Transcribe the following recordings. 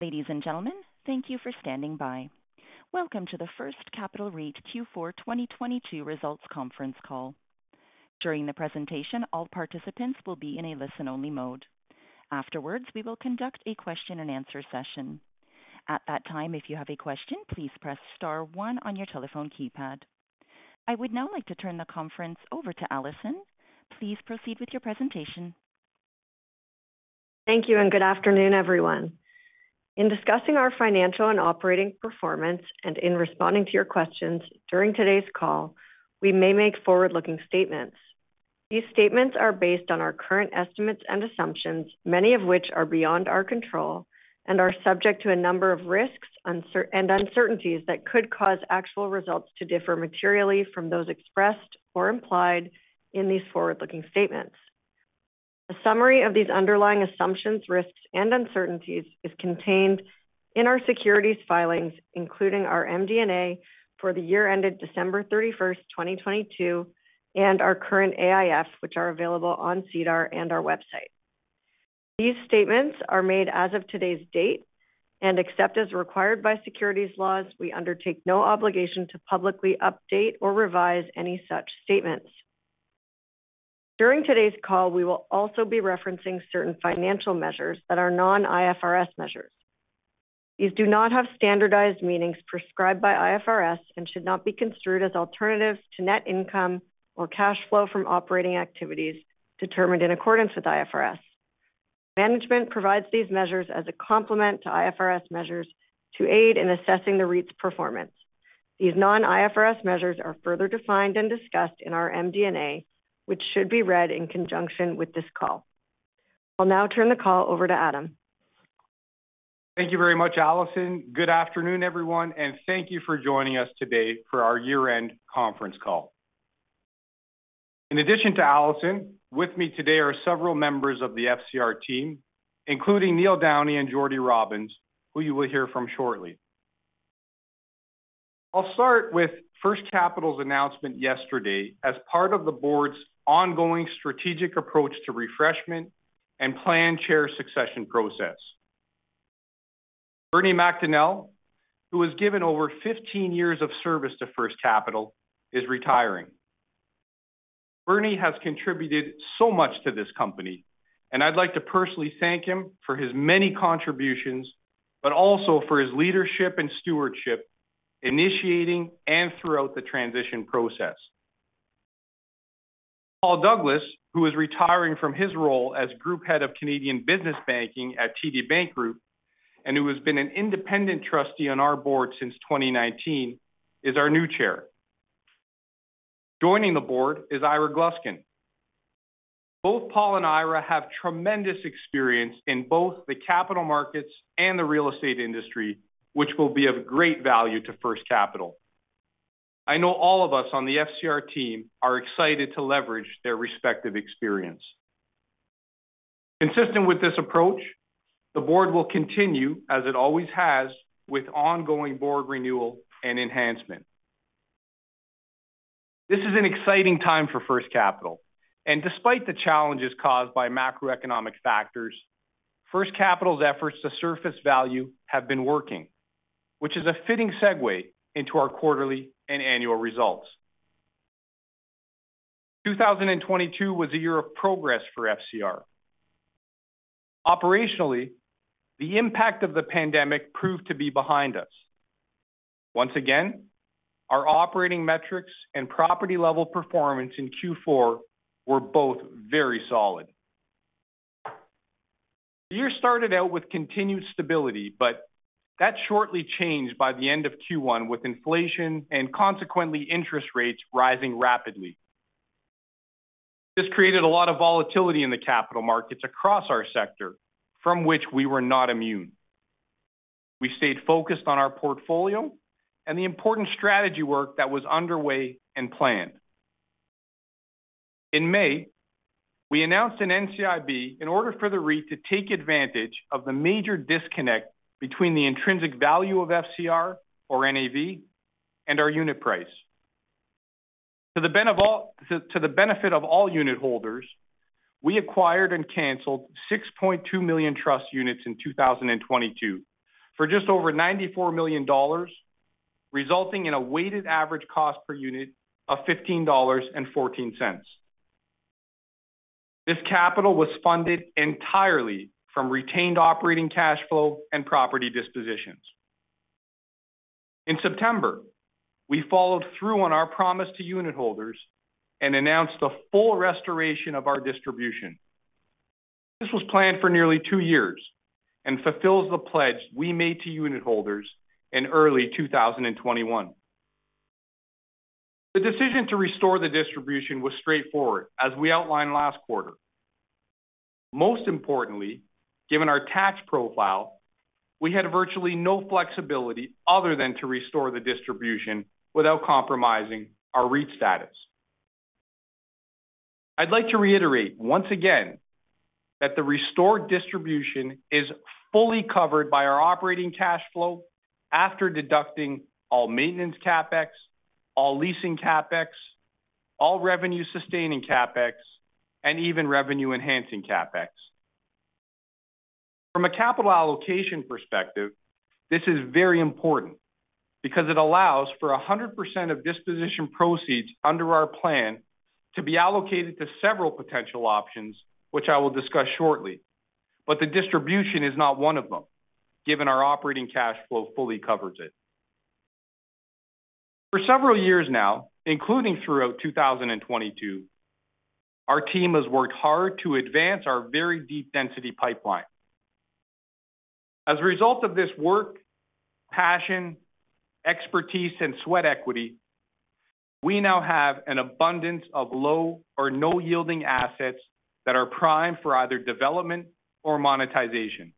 Ladies and gentlemen, thank you for standing by. Welcome to the First Capital REIT Q4 2022 Results Conference Call. During the presentation, all participants will be in a listen-only mode. Afterwards, we will conduct a question and answer session. At that time, if you have a question, please press star one on your telephone keypad. I would now like to turn the conference over to Alison. Please proceed with your presentation. Thank you and good afternoon, everyone. In discussing our financial and operating performance and in responding to your questions during today's call, we may make forward-looking statements. These statements are based on our current estimates and assumptions, many of which are beyond our control and are subject to a number of risks and uncertainties that could cause actual results to differ materially from those expressed or implied in these forward-looking statements. A summary of these underlying assumptions, risks and uncertainties is contained in our securities filings, including our MD&A for the year ended December 31st, 2022, and our current AIF, which are available on SEDAR and our website. These statements are made as of today's date, and except as required by securities laws, we undertake no obligation to publicly update or revise any such statements. During today's call, we will also be referencing certain financial measures that are non-IFRS measures. These do not have standardized meanings prescribed by IFRS and should not be construed as alternatives to net income or cash flow from operating activities determined in accordance with IFRS. Management provides these measures as a complement to IFRS measures to aid in assessing the REIT's performance. These non-IFRS measures are further defined and discussed in our MD&A, which should be read in conjunction with this call. I'll now turn the call over to Adam. Thank you very much, Alison. Good afternoon, everyone, thank you for joining us today for our year-end conference call. In addition to Alison, with me today are several members of the FCR team, including Neil Downey and Jordie Robins, who you will hear from shortly. I'll start with First Capital's announcement yesterday as part of the Board's ongoing strategic approach to refreshment and plan Chair succession process. Bernie McDonell, who was given over 15 years of service to First Capital, is retiring. Bernie has contributed so much to this company, and I'd like to personally thank him for his many contributions, but also for his leadership and stewardship, initiating and throughout the transition process. Paul Douglas, who is retiring from his role as Group Head, Canadian Business Banking at TD Bank Group, and who has been an Independent Trustee on our Board since 2019, is our new Chair. Joining the Board is Ira Gluskin. Both Paul and Ira have tremendous experience in both the Capital Markets and the Real Estate industry, which will be of great value to First Capital. I know all of us on the FCR team are excited to leverage their respective experience. Consistent with this approach, the Board will continue, as it always has, with ongoing Board renewal and enhancement. This is an exciting time for First Capital. Despite the challenges caused by macroeconomic factors, First Capital's efforts to surface value have been working, which is a fitting segue into our quarterly and annual results. 2022 was a year of progress for FCR. Operationally, the impact of the pandemic proved to be behind us. Once again, our operating metrics and property-level performance in Q4 were both very solid. The year started out with continued stability, but that shortly changed by the end of Q1 with inflation and consequently interest rates rising rapidly. This created a lot of volatility in the capital markets across our sector from which we were not immune. We stayed focused on our portfolio and the important strategy work that was underway and planned. In May, we announced an NCIB in order for the REIT to take advantage of the major disconnect between the intrinsic value of FCR or NAV and our unit price. To the benefit of all unitholders, we acquired and canceled 6.2 million trust units in 2022 for just over 94 million dollars, resulting in a weighted average cost per unit of 15.14 dollars. This capital was funded entirely from retained operating cash flow and property dispositions. In September, we followed through on our promise to unitholders and announced the full restoration of our distribution. This was planned for nearly two years and fulfills the pledge we made to unitholders in early 2021. The decision to restore the distribution was straightforward, as we outlined last quarter. Most importantly, given our tax profile, we had virtually no flexibility other than to restore the distribution without compromising our REIT status. I'd like to reiterate once again that the restored distribution is fully covered by our operating cash flow after deducting all maintenance CapEx, all leasing CapEx-All revenue sustaining CapEx and even revenue enhancing CapEx. From a capital allocation perspective, this is very important because it allows for 100% of disposition proceeds under our plan to be allocated to several potential options, which I will discuss shortly. The distribution is not one of them, given our operating cash flow fully covers it. For several years now, including throughout 2022, our team has worked hard to advance our very deep density pipeline. As a result of this work, passion, expertise, and sweat equity, we now have an abundance of low or no yielding assets that are primed for either development or monetization.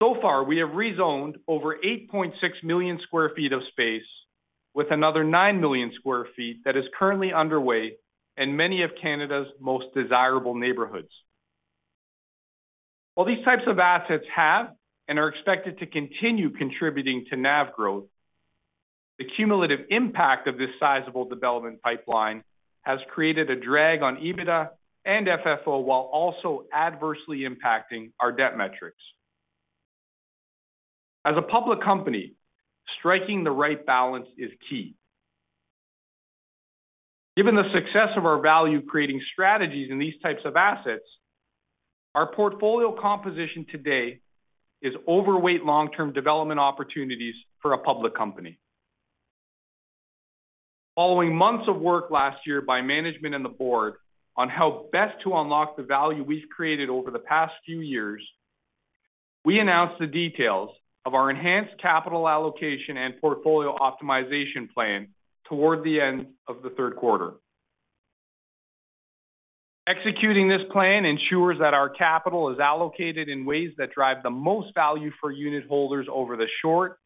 Far, we have rezoned over 8.6 million sq ft of space with another 9 million sq ft that is currently underway in many of Canada's most desirable neighborhoods. While these types of assets have and are expected to continue contributing to NAV growth, the cumulative impact of this sizable development pipeline has created a drag on EBITDA and FFO, while also adversely impacting our debt metrics. As a public company, striking the right balance is key. Given the success of our value-creating strategies in these types of assets, our portfolio composition today is overweight long-term development opportunities for a public company. Following months of work last year by Management and the Board on how best to unlock the value we've created over the past few years, we announced the details of our enhanced capital allocation and portfolio optimization plan toward the end of the third quarter. Executing this plan ensures that our capital is allocated in ways that drive the most value for unitholders over the short,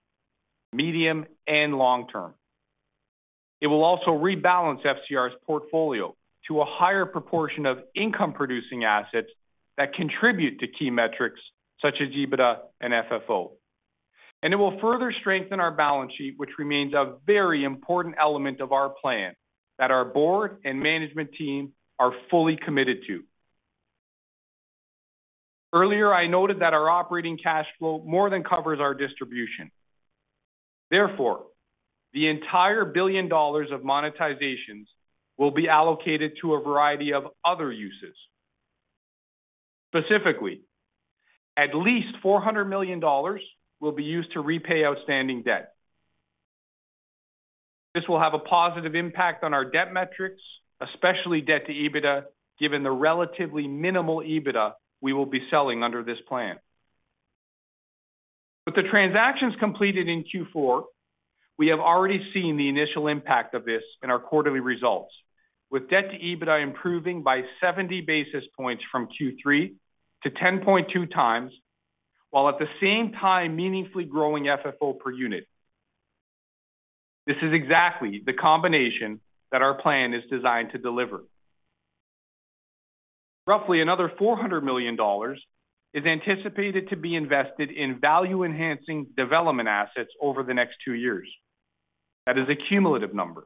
medium, and long term. It will also rebalance FCR's portfolio to a higher proportion of income-producing assets that contribute to key metrics such as EBITDA and FFO. It will further strengthen our balance sheet, which remains a very important element of our plan that our Board and Management team are fully committed to. Earlier, I noted that our operating cash flow more than covers our distribution. Therefore, the entire 1 billion dollars of monetizations will be allocated to a variety of other uses. Specifically, at least 400 million dollars will be used to repay outstanding debt. This will have a positive impact on our debt metrics, especially debt to EBITDA, given the relatively minimal EBITDA we will be selling under this plan. With the transactions completed in Q4, we have already seen the initial impact of this in our quarterly results, with debt to EBITDA improving by 70 basis points from Q3 to 10.2 times, while at the same time meaningfully growing FFO per unit. This is exactly the combination that our plan is designed to deliver. Roughly another 400 million dollars is anticipated to be invested in value-enhancing development assets over the next 2 years. That is a cumulative number.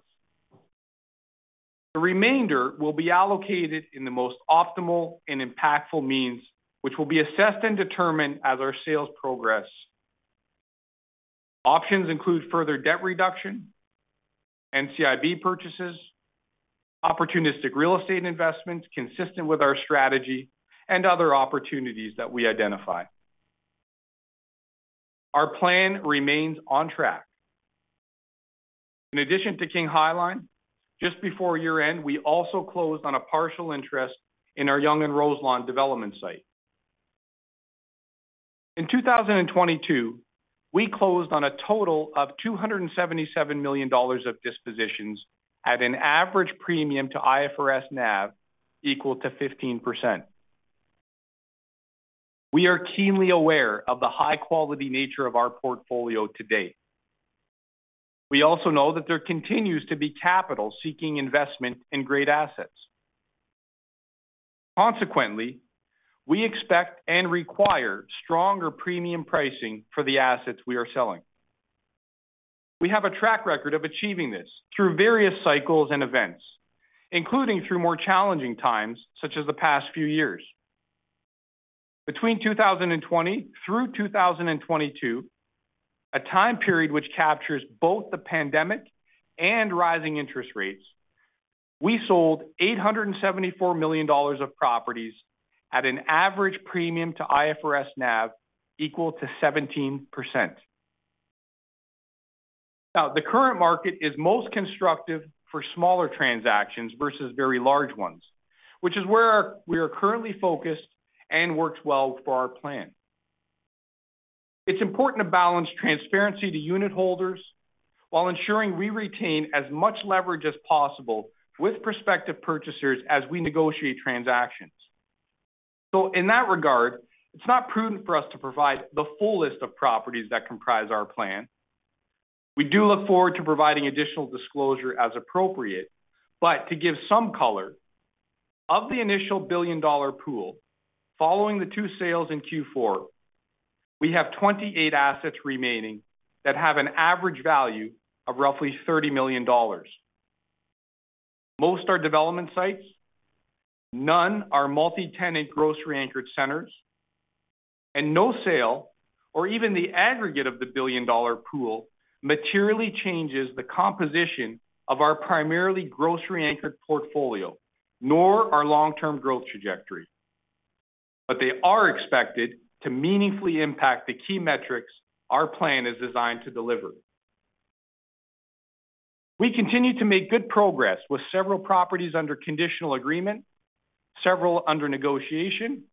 The remainder will be allocated in the most optimal and impactful means, which will be assessed and determined as our sales progress. Options include further debt reduction, NCIB purchases, opportunistic real estate investments consistent with our strategy, and other opportunities that we identify. Our plan remains on track. In addition to King High Line, just before year-end, we also closed on a partial interest in our Yonge and Roselawn development site. In 2022, we closed on a total of 277 million dollars of dispositions at an average premium to IFRS NAV equal to 15%. We are keenly aware of the high-quality nature of our portfolio to date. We also know that there continues to be capital seeking investment in great assets. Consequently, we expect and require stronger premium pricing for the assets we are selling. We have a track record of achieving this through various cycles and events, including through more challenging times, such as the past few years. Between 2020 through 2022, a time period which captures both the pandemic and rising interest rates, we sold 874 million dollars of properties at an average premium to IFRS NAV equal to 17%. The current market is most constructive for smaller transactions versus very large ones, which is where we are currently focused and works well for our plan. It's important to balance transparency to unitholders while ensuring we retain as much leverage as possible with prospective purchasers as we negotiate transactions. In that regard, it's not prudent for us to provide the full list of properties that comprise our plan. We do look forward to providing additional disclosure as appropriate, but to give some color, of the initial 1 billion dollar pool, following the 2 sales in Q4. We have 28 assets remaining that have an average value of roughly 30 million dollars. Most are development sites, none are multi-tenant grocery anchored centers, and no sale or even the aggregate of the 1 billion dollar pool materially changes the composition of our primarily grocery anchored portfolio, nor our long-term growth trajectory. They are expected to meaningfully impact the key metrics our plan is designed to deliver. We continue to make good progress with several properties under conditional agreement, several under negotiation,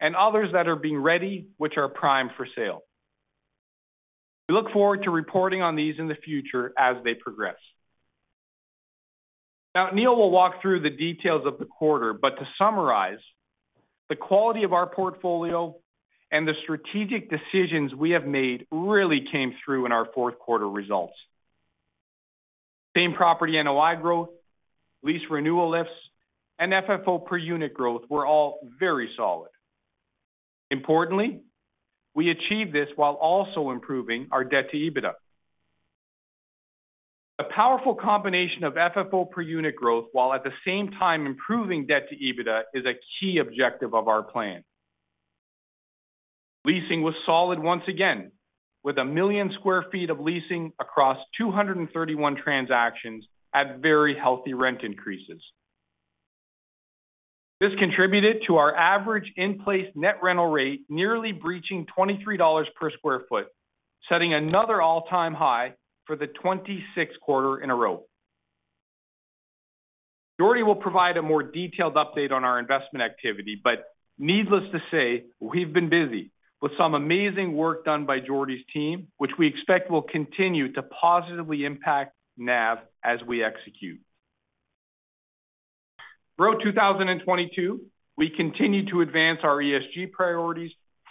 and others that are being ready, which are primed for sale. We look forward to reporting on these in the future as they progress. Now, Neil will walk through the details of the quarter. To summarize, the quality of our portfolio and the strategic decisions we have made really came through in our fourth quarter results. Same property NOI growth, lease renewal lifts, and FFO per unit growth were all very solid. Importantly, we achieved this while also improving our debt to EBITDA. A powerful combination of FFO per unit growth, while at the same time improving debt to EBITDA is a key objective of our plan. Leasing was solid once again, with 1 million sq ft of leasing across 231 transactions at very healthy rent increases. This contributed to our average in-place net rental rate nearly breaching 23 dollars per sq ft, setting another all-time high for the 26th quarter in a row. Jordie will provide a more detailed update on our investment activity, but needless to say, we've been busy with some amazing work done by Jordie's team, which we expect will continue to positively impact NAV as we execute. Throughout 2022, we continued to advance our ESG priorities,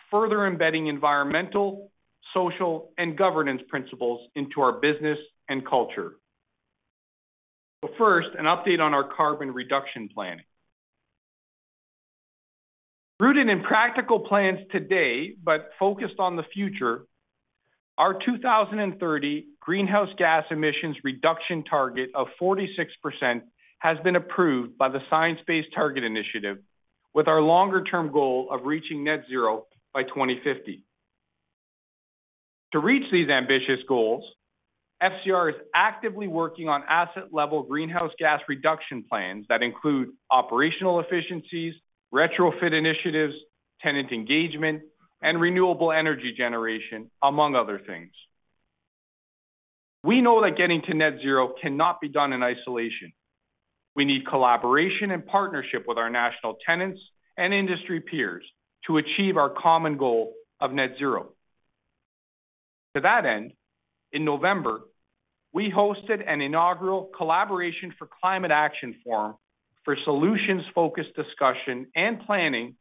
further embedding environmental, social, and governance principles into our business and culture. First, an update on our carbon reduction planning. Rooted in practical plans today but focused on the future, our 2030 greenhouse gas emissions reduction target of 46% has been approved by the Science Based Targets initiative, with our longer-term goal of reaching net zero by 2050. To reach these ambitious goals, FCR is actively working on asset-level greenhouse gas reduction plans that include operational efficiencies, retrofit initiatives, tenant engagement, and renewable energy generation, among other things. We know that getting to net zero cannot be done in isolation. We need collaboration and partnership with our national tenants and industry peers to achieve our common goal of net zero. To that end, in November, we hosted an inaugural Collaboration for Climate Action Forum for solutions-focused discussion and planning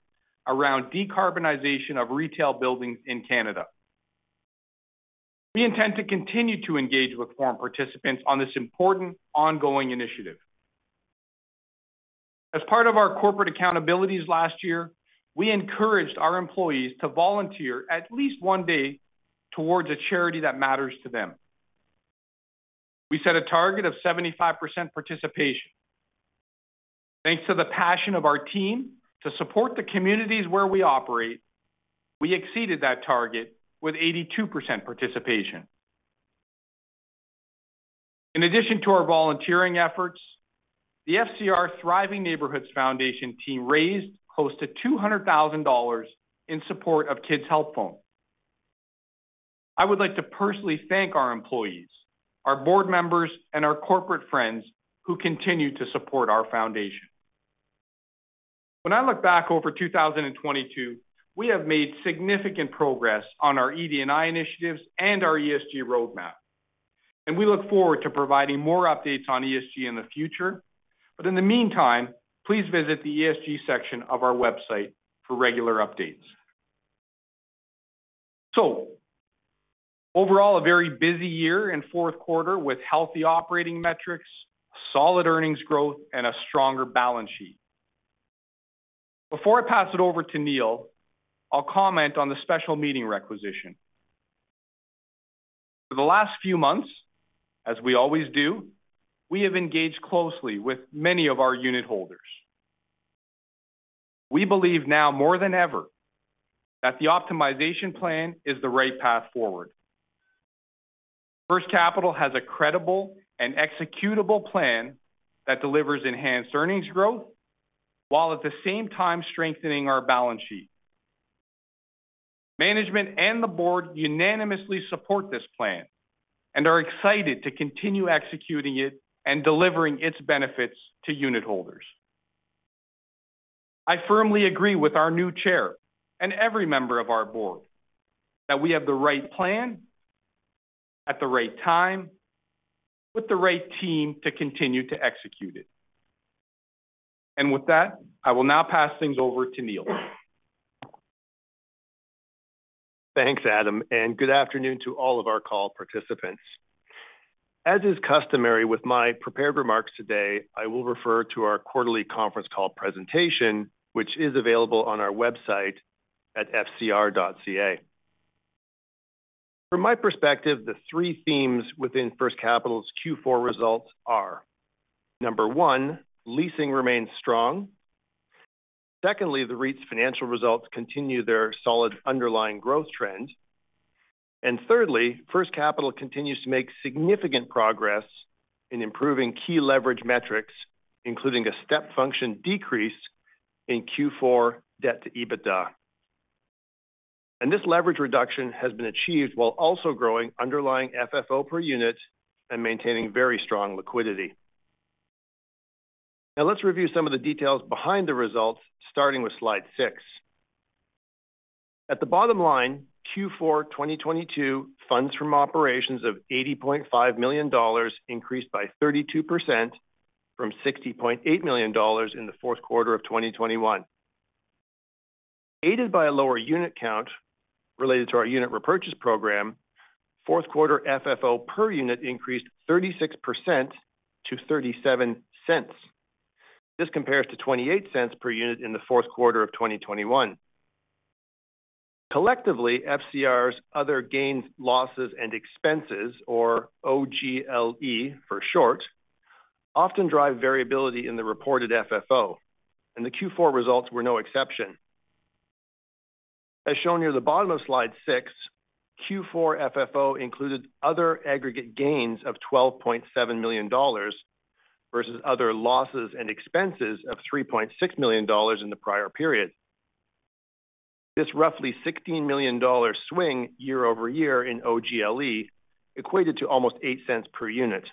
around decarbonization of retail buildings in Canada. We intend to continue to engage with forum participants on this important ongoing initiative. As part of our corporate accountabilities last year, we encouraged our employees to volunteer at least 1 day towards a charity that matters to them. We set a target of 75% participation. Thanks to the passion of our team to support the communities where we operate, we exceeded that target with 82% participation. In addition to our volunteering efforts, the FCR Thriving Neighbourhoods Foundation team raised close to 200,000 dollars in support of Kids Help Phone. I would like to personally thank our employees, our Board members, and our corporate friends who continue to support our foundation. When I look back over 2022, we have made significant progress on our ED&I initiatives and our ESG roadmap, we look forward to providing more updates on ESG in the future. In the meantime, please visit the ESG section of our website for regular updates. Overall, a very busy year in fourth quarter with healthy operating metrics, solid earnings growth, and a stronger balance sheet. Before I pass it over to Neil, I'll comment on the special meeting requisition. For the last few months, as we always do, we have engaged closely with many of our unitholders. We believe now more than ever, that the optimization plan is the right path forward. First Capital has a credible and executable plan that delivers enhanced earnings growth while at the same time strengthening our balance sheet. Management and the Board unanimously support this plan and are excited to continue executing it and delivering its benefits to unitholders. I firmly agree with our new Chair and every member of our Board that we have the right plan at the right time with the right team to continue to execute it. With that, I will now pass things over to Neil. Thanks, Adam. Good afternoon to all of our call participants. As is customary with my prepared remarks today, I will refer to our quarterly conference call presentation, which is available on our website at fcr.ca. From my perspective, the three themes within First Capital's Q4 results are, number one, leasing remains strong. Secondly, the REIT's financial results continue their solid underlying growth trends. Thirdly, First Capital continues to make significant progress in improving key leverage metrics, including a step function decrease in Q4 debt to EBITDA. This leverage reduction has been achieved while also growing underlying FFO per unit and maintaining very strong liquidity. Let's review some of the details behind the results, starting with slide 6. At the bottom line, Q4 2022 funds from operations of 80.5 million dollars increased by 32% from 60 million dollars in the fourth quarter of 2021. Aided by a lower unit count related to our unit repurchase program, fourth quarter FFO per unit increased 36% to 0.37. This compares to 0.28 per unit in the fourth quarter of 2021. Collectively, FCR's other gains, losses, and expenses, or OGLE for short, often drive variability in the reported FFO, and the Q4 results were no exception. As shown near the bottom of slide 6, Q4 FFO included other aggregate gains of 12.7 million dollars versus other losses and expenses of 3.6 million dollars in the prior period. This roughly 16 million dollar swing year-over-year in OGLE equated to almost 0.08 per unit.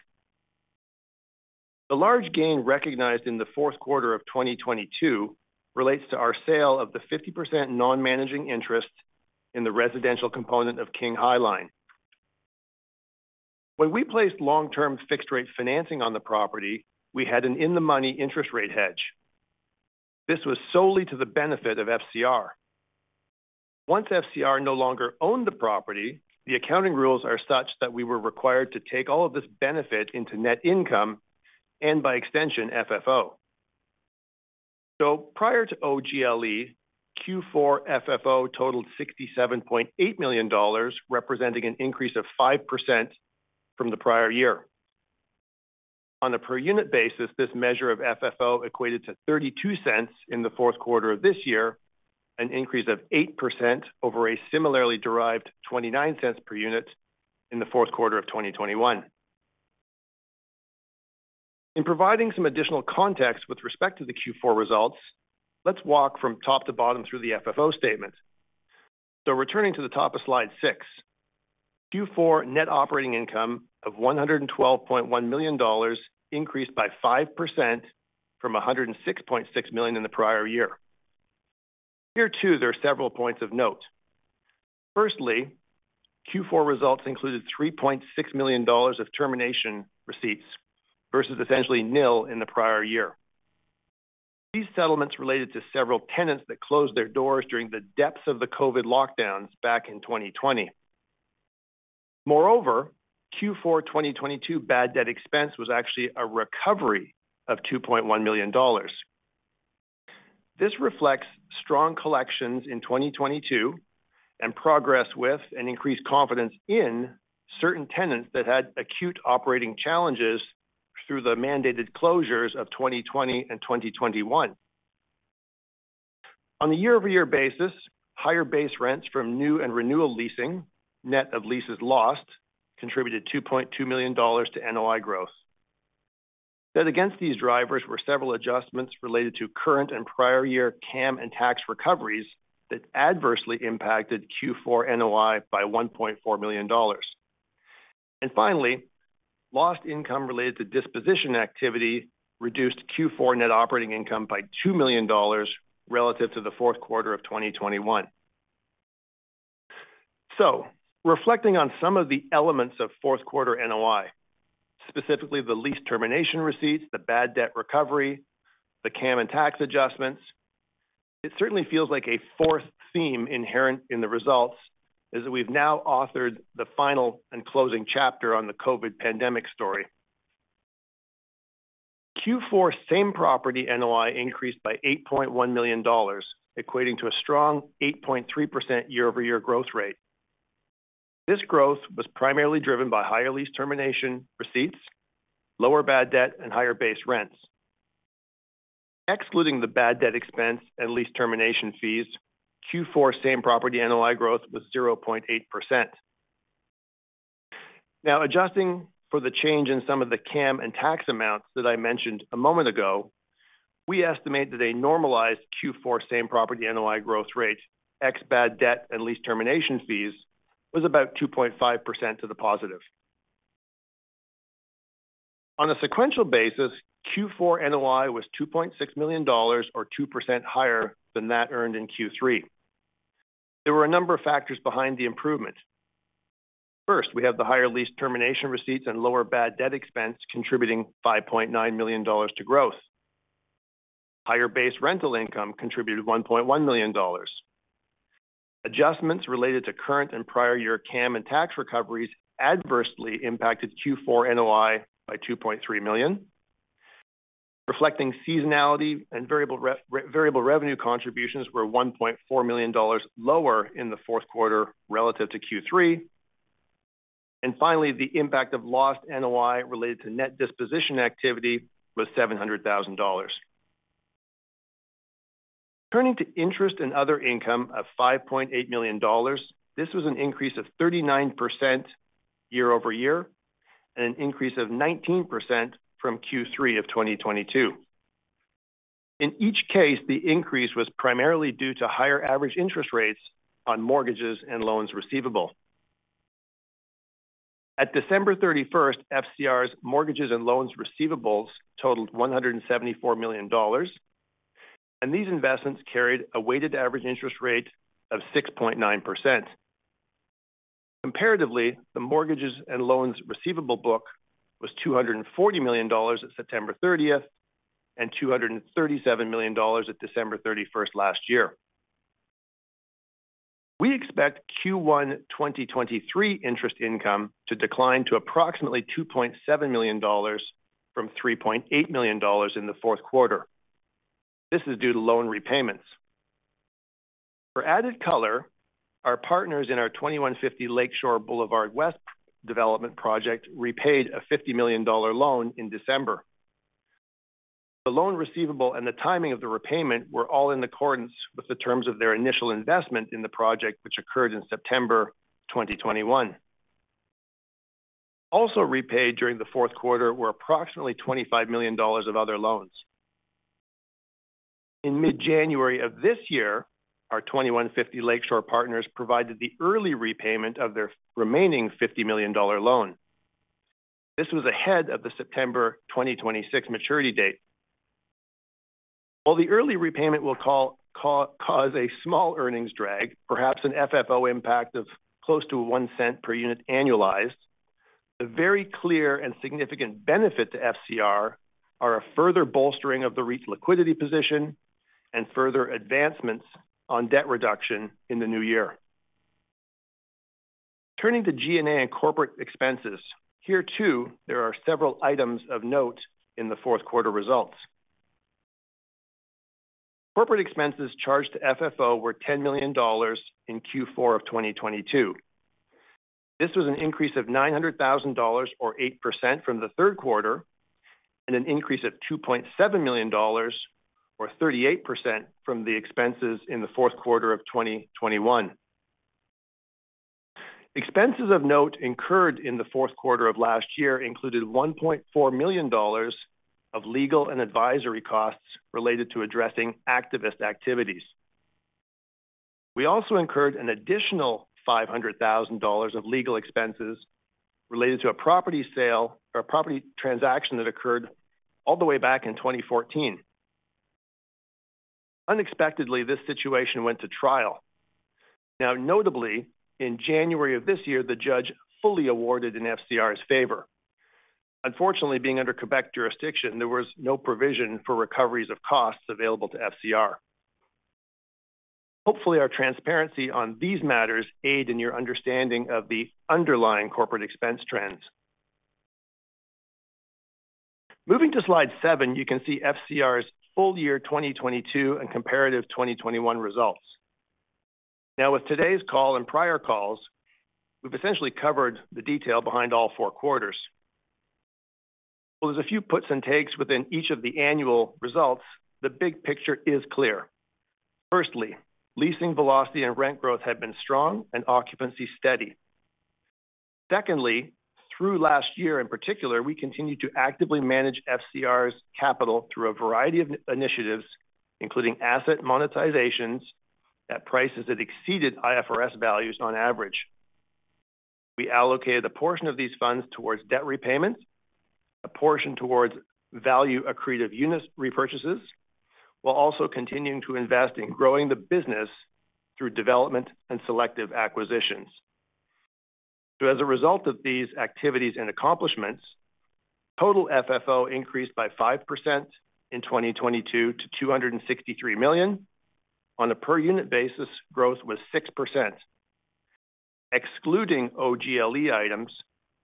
The large gain recognized in the fourth quarter of 2022 relates to our sale of the 50% non-managing interest in the residential component of King High Line. When we placed long-term fixed rate financing on the property, we had an in-the-money interest rate hedge. This was solely to the benefit of FCR. Once FCR no longer owned the property, the accounting rules are such that we were required to take all of this benefit into net income and by extension, FFO. Prior to OGLE, Q4 FFO totaled 67.8 million dollars, representing an increase of 5% from the prior year. On a per unit basis, this measure of FFO equated to 0.32 in the fourth quarter of this year, an increase of 8% over a similarly derived 0.29 per unit in the fourth quarter of 2021. In providing some additional context with respect to the Q4 results, let's walk from top to bottom through the FFO statement. Returning to the top of slide 6. Q4 net operating income of 112.1 million dollars increased by 5% from 106.6 million in the prior year. Here, too, there are several points of note. Firstly, Q4 results included 3.6 million dollars of termination receipts versus essentially nil in the prior year. These settlements related to several tenants that closed their doors during the depths of the COVID lockdowns back in 2020. Moreover, Q4 2022 bad debt expense was actually a recovery of 2.1 million dollars. This reflects strong collections in 2022 and progress with and increased confidence in certain tenants that had acute operating challenges through the mandated closures of 2020 and 2021. On a year-over-year basis, higher base rents from new and renewal leasing, net of leases lost, contributed 2.2 million dollars to NOI growth. That against these drivers were several adjustments related to current and prior year CAM and tax recoveries that adversely impacted Q4 NOI by 1.4 million dollars. Finally, lost income related to disposition activity reduced Q4 net operating income by 2 million dollars relative to the fourth quarter of 2021. Reflecting on some of the elements of fourth quarter NOI, specifically the lease termination receipts, the bad debt recovery, the CAM and tax adjustments, it certainly feels like a fourth theme inherent in the results is that we've now authored the final and closing chapter on the COVID pandemic story. Q4 same property NOI increased by 8.1 million dollars, equating to a strong 8.3% year-over-year growth rate. This growth was primarily driven by higher lease termination receipts, lower bad debt, and higher base rents. Excluding the bad debt expense and lease termination fees, Q4 same property NOI growth was 0.8%. Adjusting for the change in some of the CAM and tax amounts that I mentioned a moment ago, we estimate that a normalized Q4 same property NOI growth rate, ex bad debt and lease termination fees, was about 2.5% to the positive. On a sequential basis, Q4 NOI was 2.6 million dollars or 2% higher than that earned in Q3. There were a number of factors behind the improvement. First, we have the higher lease termination receipts and lower bad debt expense contributing 5.9 million dollars to growth. Higher base rental income contributed 1.1 million dollars. Adjustments related to current and prior year CAM and tax recoveries adversely impacted Q4 NOI by 2.3 million. Reflecting seasonality and variable revenue contributions were 1.4 million dollars lower in the fourth quarter relative to Q3. Finally, the impact of lost NOI related to net disposition activity was $700,000. Turning to interest and other income of $5.8 million, this was an increase of 39% year-over-year and an increase of 19% from Q3 of 2022. In each case, the increase was primarily due to higher average interest rates on mortgages and loans receivable. At December 31st, FCR's mortgages and loans receivables totaled $174 million, and these investments carried a weighted average interest rate of 6.9%. Comparatively, the mortgages and loans receivable book was $240 million at September 30th and $237 million at December 31st last year. We expect Q1 2023 interest income to decline to approximately $2.7 million from $3.8 million in the fourth quarter. This is due to loan repayments. For added color, our partners in our 2150 Lakeshore Boulevard West development project repaid a $50 million loan in December. The loan receivable and the timing of the repayment were all in accordance with the terms of their initial investment in the project, which occurred in September 2021. Also repaid during the fourth quarter were approximately $25 million of other loans. In mid-January of this year, our 2150 Lakeshore partners provided the early repayment of their remaining $50 million loan. This was ahead of the September 2026 maturity date. While the early repayment will cause a small earnings drag, perhaps an FFO impact of close to 0.01 per unit annualized, the very clear and significant benefit to FCR are a further bolstering of the REIT's liquidity position and further advancements on debt reduction in the new year. Turning to G&A and corporate expenses. Here, too, there are several items of note in the fourth quarter results. Corporate expenses charged to FFO were 10 million dollars in Q4 of 2022. This was an increase of 900,000 dollars or 8% from the third quarter and an increase of 2.7 million dollars or 38% from the expenses in the fourth quarter of 2021. Expenses of note incurred in the fourth quarter of last year included 1.4 million dollars of legal and advisory costs related to addressing activist activities. We also incurred an additional 500,000 dollars of legal expenses related to a property sale or a property transaction that occurred all the way back in 2014. Unexpectedly, this situation went to trial. Notably, in January of this year, the judge fully awarded in FCR's favor. Unfortunately, being under Quebec jurisdiction, there was no provision for recoveries of costs available to FCR. Hopefully, our transparency on these matters aid in your understanding of the underlying corporate expense trends. Moving to slide 7, you can see FCR's full year 2022 and comparative 2021 results. With today's call and prior calls, we've essentially covered the detail behind all 4 quarters. While there's a few puts and takes within each of the annual results, the big picture is clear. Firstly, leasing velocity and rent growth had been strong and occupancy steady. Through last year in particular, we continued to actively manage FCR's capital through a variety of initiatives, including asset monetizations at prices that exceeded IFRS values on average. We allocated a portion of these funds towards debt repayments, a portion towards value accretive units repurchases, while also continuing to invest in growing the business through development and selective acquisitions. As a result of these activities and accomplishments, total FFO increased by 5% in 2022 to 263 million. On a per unit basis, growth was 6%. Excluding OGLE items,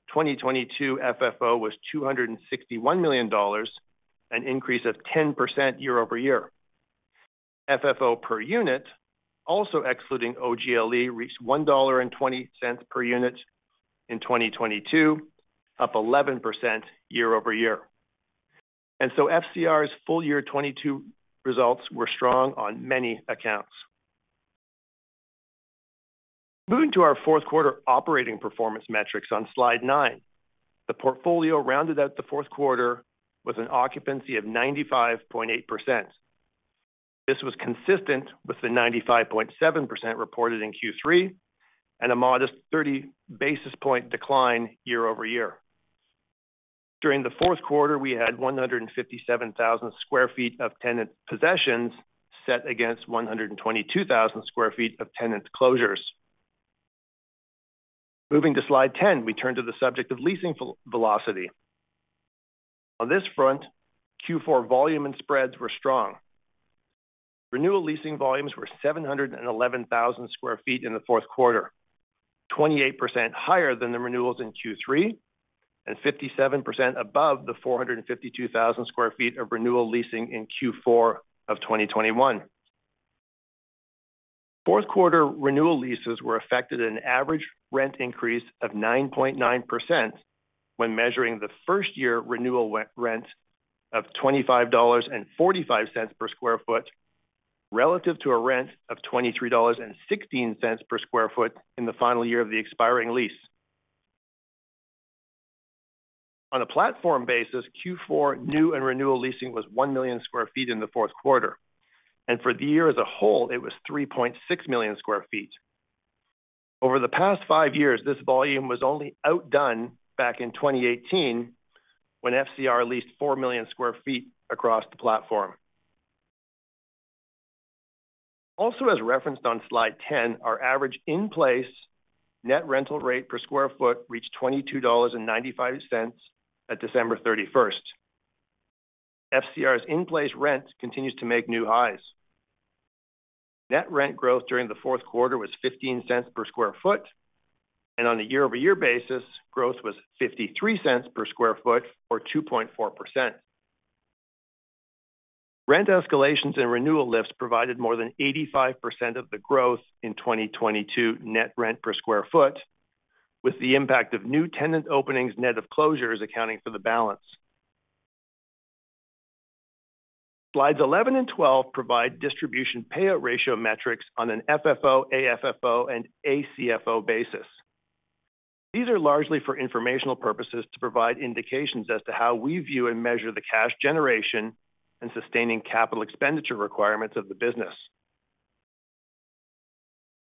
2022 FFO was 261 million dollars, an increase of 10% year-over-year. FFO per unit, also excluding OGLE, reached 1.20 dollar per unit in 2022, up 11% year-over-year. FCR's full year 2022 results were strong on many accounts. Moving to our fourth quarter operating performance metrics on slide 9. The portfolio rounded out the fourth quarter with an occupancy of 95.8%. This was consistent with the 95.7% reported in Q3 and a modest 30 basis point decline year-over-year. During the fourth quarter, we had 157,000 sq ft of tenant possessions set against 122,000 sq ft of tenant closures. Moving to slide 10, we turn to the subject of leasing velocity. On this front, Q4 volume and spreads were strong. Renewal leasing volumes were 711,000 sq ft in the fourth quarter, 28% higher than the renewals in Q3 and 57% above the 452,000 sq ft of renewal leasing in Q4 of 2021. Fourth quarter renewal leases were affected an average rent increase of 9.9% when measuring the first year renewal re-rent of CAD 25.45 per sq ft relative to a rent of 23.16 dollars per sq ft in the final year of the expiring lease. On a platform basis, Q4 new and renewal leasing was 1 million sq ft in the fourth quarter, and for the year as a whole it was 3.6 million sq ft. Over the past 5 years, this volume was only outdone back in 2018 when FCR leased 4 million sq ft across the platform. As referenced on slide 10, our average in place net rental rate per sq ft reached 22.95 dollars at December 31st. FCR's in place rent continues to make new highs. Net rent growth during the fourth quarter was $0.15 per sq ft, and on a year-over-year basis, growth was $0.53 per sq ft or 2.4%. Rent escalations and renewal lifts provided more than 85% of the growth in 2022 net rent per sq ft, with the impact of new tenant openings, net of closures accounting for the balance. Slides 11 and 12 provide distribution payout ratio metrics on an FFO, AFFO, and ACFO basis. These are largely for informational purposes to provide indications as to how we view and measure the cash generation and sustaining capital expenditure requirements of the business.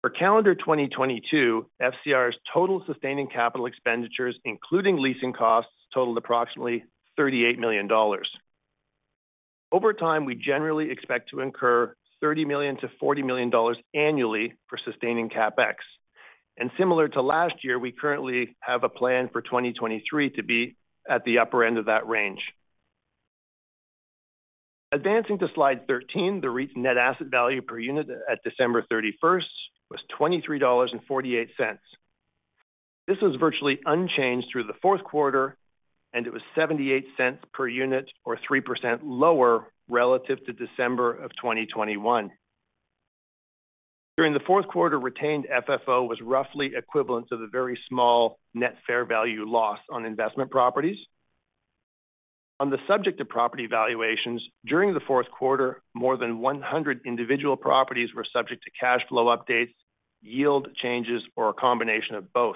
For calendar 2022, FCR's total sustaining capital expenditures, including leasing costs, totaled approximately $38 million. Over time, we generally expect to incur $30 million-$40 million annually for sustaining CapEx. Similar to last year, we currently have a plan for 2023 to be at the upper end of that range. Advancing to slide 13, the net asset value per unit at December 31st was $23.48. This was virtually unchanged through the fourth quarter, and it was $0.78 per unit or 3% lower relative to December of 2021. During the fourth quarter, retained FFO was roughly equivalent to the very small net fair value loss on investment properties. On the subject of property valuations, during the fourth quarter, more than 100 individual properties were subject to cash flow updates, yield changes, or a combination of both.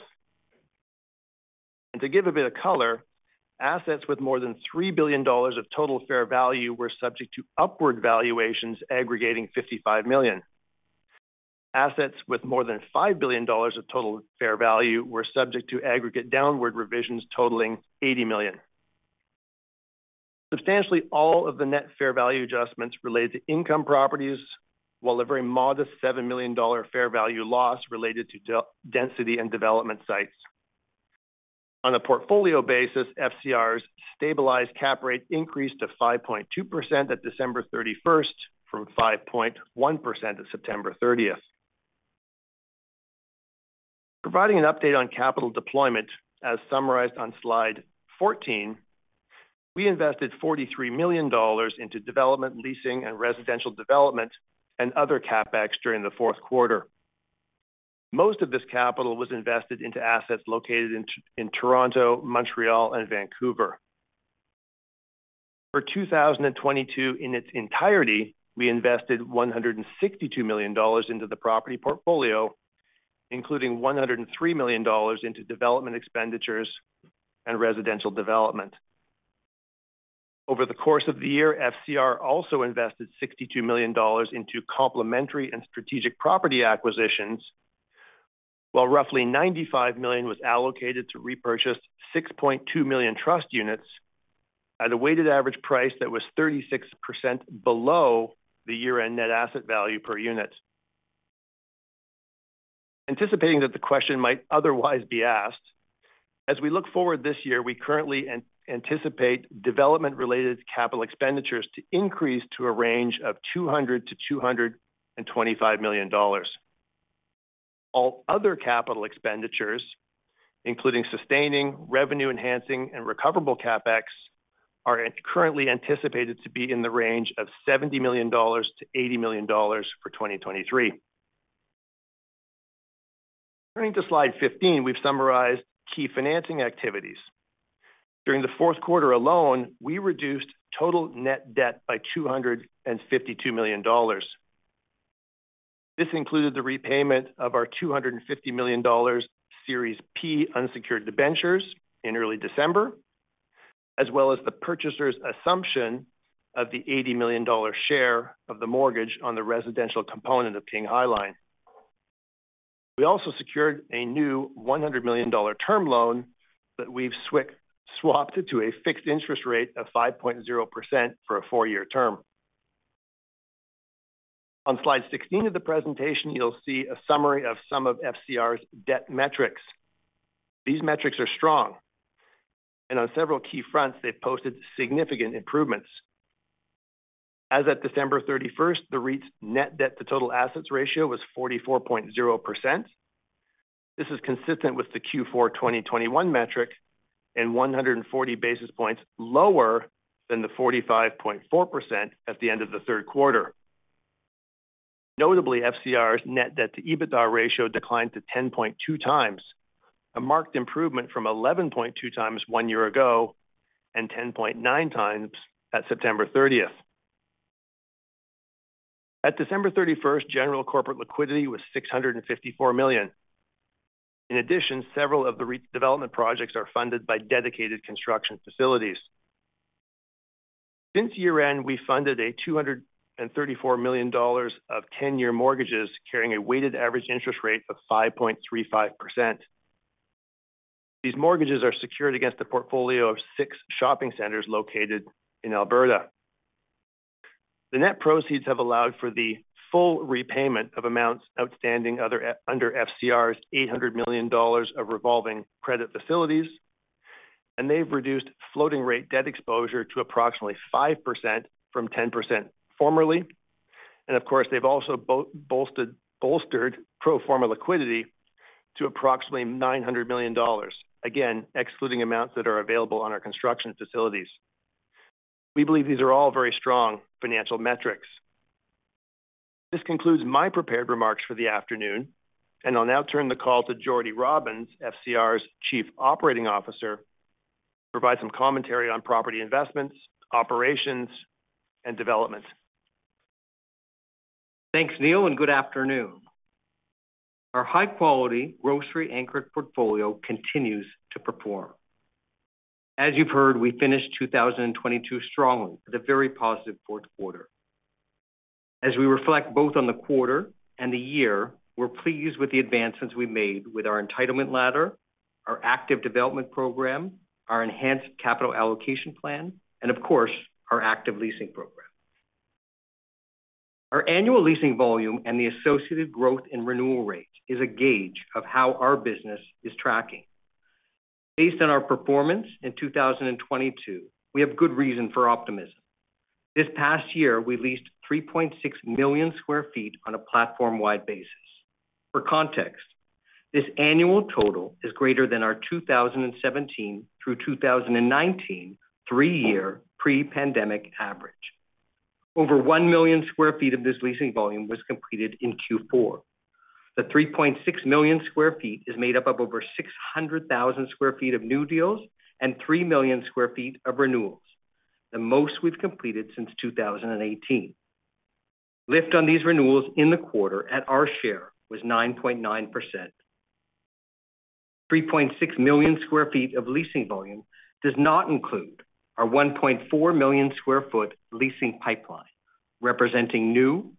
To give a bit of color, assets with more than $3 billion of total fair value were subject to upward valuations aggregating $55 million. Assets with more than 5 billion dollars of total fair value were subject to aggregate downward revisions totaling 80 million. Substantially, all of the net fair value adjustments relate to income properties, while a very modest 7 million dollar fair value loss related to de-density and development sites. On a portfolio basis, FCR's stabilized cap rate increased to 5.2% at December 31st from 5.1% at September 30th. Providing an update on capital deployment as summarized on slide 14, we invested 43 million dollars into development, leasing and residential development and other CapEx during the fourth quarter. Most of this capital was invested into assets located in Toronto, Montreal, and Vancouver. For 2022 in its entirety, we invested 162 million dollars into the property portfolio, including 103 million dollars into development expenditures and residential development. Over the course of the year, FCR also invested 62 million dollars into complementary and strategic property acquisitions, while roughly 95 million was allocated to repurchase 6.2 million trust units at a weighted average price that was 36% below the year-end net asset value per unit. Anticipating that the question might otherwise be asked, as we look forward this year, we currently anticipate development-related capital expenditures to increase to a range of 200 million-225 million dollars. All other capital expenditures, including sustaining, revenue enhancing, and recoverable CapEx, are currently anticipated to be in the range of 70 million-80 million dollars for 2023. Turning to slide 15, we've summarized key financing activities. During the fourth quarter alone, we reduced total net debt by 252 million dollars. This included the repayment of our 250 million dollars Series P unsecured debentures in early December, as well as the purchaser's assumption of the 80 million dollar share of the mortgage on the residential component of King High Line. We also secured a new 100 million dollar term loan that we've swapped to a fixed interest rate of 5.0% for a four-year term. On slide 16 of the presentation, you'll see a summary of some of FCR's debt metrics. These metrics are strong, and on several key fronts, they've posted significant improvements. As at December 31st, the REIT's net debt to total assets ratio was 44.0%. This is consistent with the Q4 2021 metric and 140 basis points lower than the 45.4% at the end of the third quarter. Notably, FCR's net debt to EBITDA ratio declined to 10.2x, a marked improvement from 11.2x one year ago, and 10.9x at September 30th. At December 31st, general corporate liquidity was 654 million. In addition, several of the redevelopment projects are funded by dedicated construction facilities. Since year-end, we funded 234 million dollars of 10-year mortgages carrying a weighted average interest rate of 5.35%. These mortgages are secured against a portfolio of six shopping centers located in Alberta. The net proceeds have allowed for the full repayment of amounts outstanding under FCR's 800 million dollars of revolving credit facilities. They've reduced floating rate debt exposure to approximately 5% from 10% formerly. Of course, they've also bolstered pro forma liquidity to approximately 900 million dollars. Again, excluding amounts that are available on our construction facilities. We believe these are all very strong financial metrics. This concludes my prepared remarks for the afternoon. I'll now turn the call to Jordie Robins, FCR's Chief Operating Officer, to provide some commentary on property investments, operations, and developments. Thanks, Neil, and good afternoon. Our high-quality, grocery-anchored portfolio continues to perform. As you've heard, we finished 2022 strongly with a very positive fourth quarter. As we reflect both on the quarter and the year, we're pleased with the advancements we made with our entitlement ladder, our active development program, our enhanced capital allocation plan, and of course, our active leasing program. Our annual leasing volume and the associated growth and renewal rates is a gauge of how our business is tracking. Based on our performance in 2022, we have good reason for optimism. This past year, we leased 3.6 million sq ft on a platform-wide basis. For context, this annual total is greater than our 2017 through 2019 three-year pre-pandemic average. Over 1 million sq ft of this leasing volume was completed in Q4. The 3.6 million sq ft is made up of over 600,000 sq ft of new deals and 3 million sq ft of renewals, the most we've completed since 2018. Lift on these renewals in the quarter at our share was 9.9%. 3.6 million sq ft of leasing volume does not include our 1.4 million sq ft leasing pipeline, representing new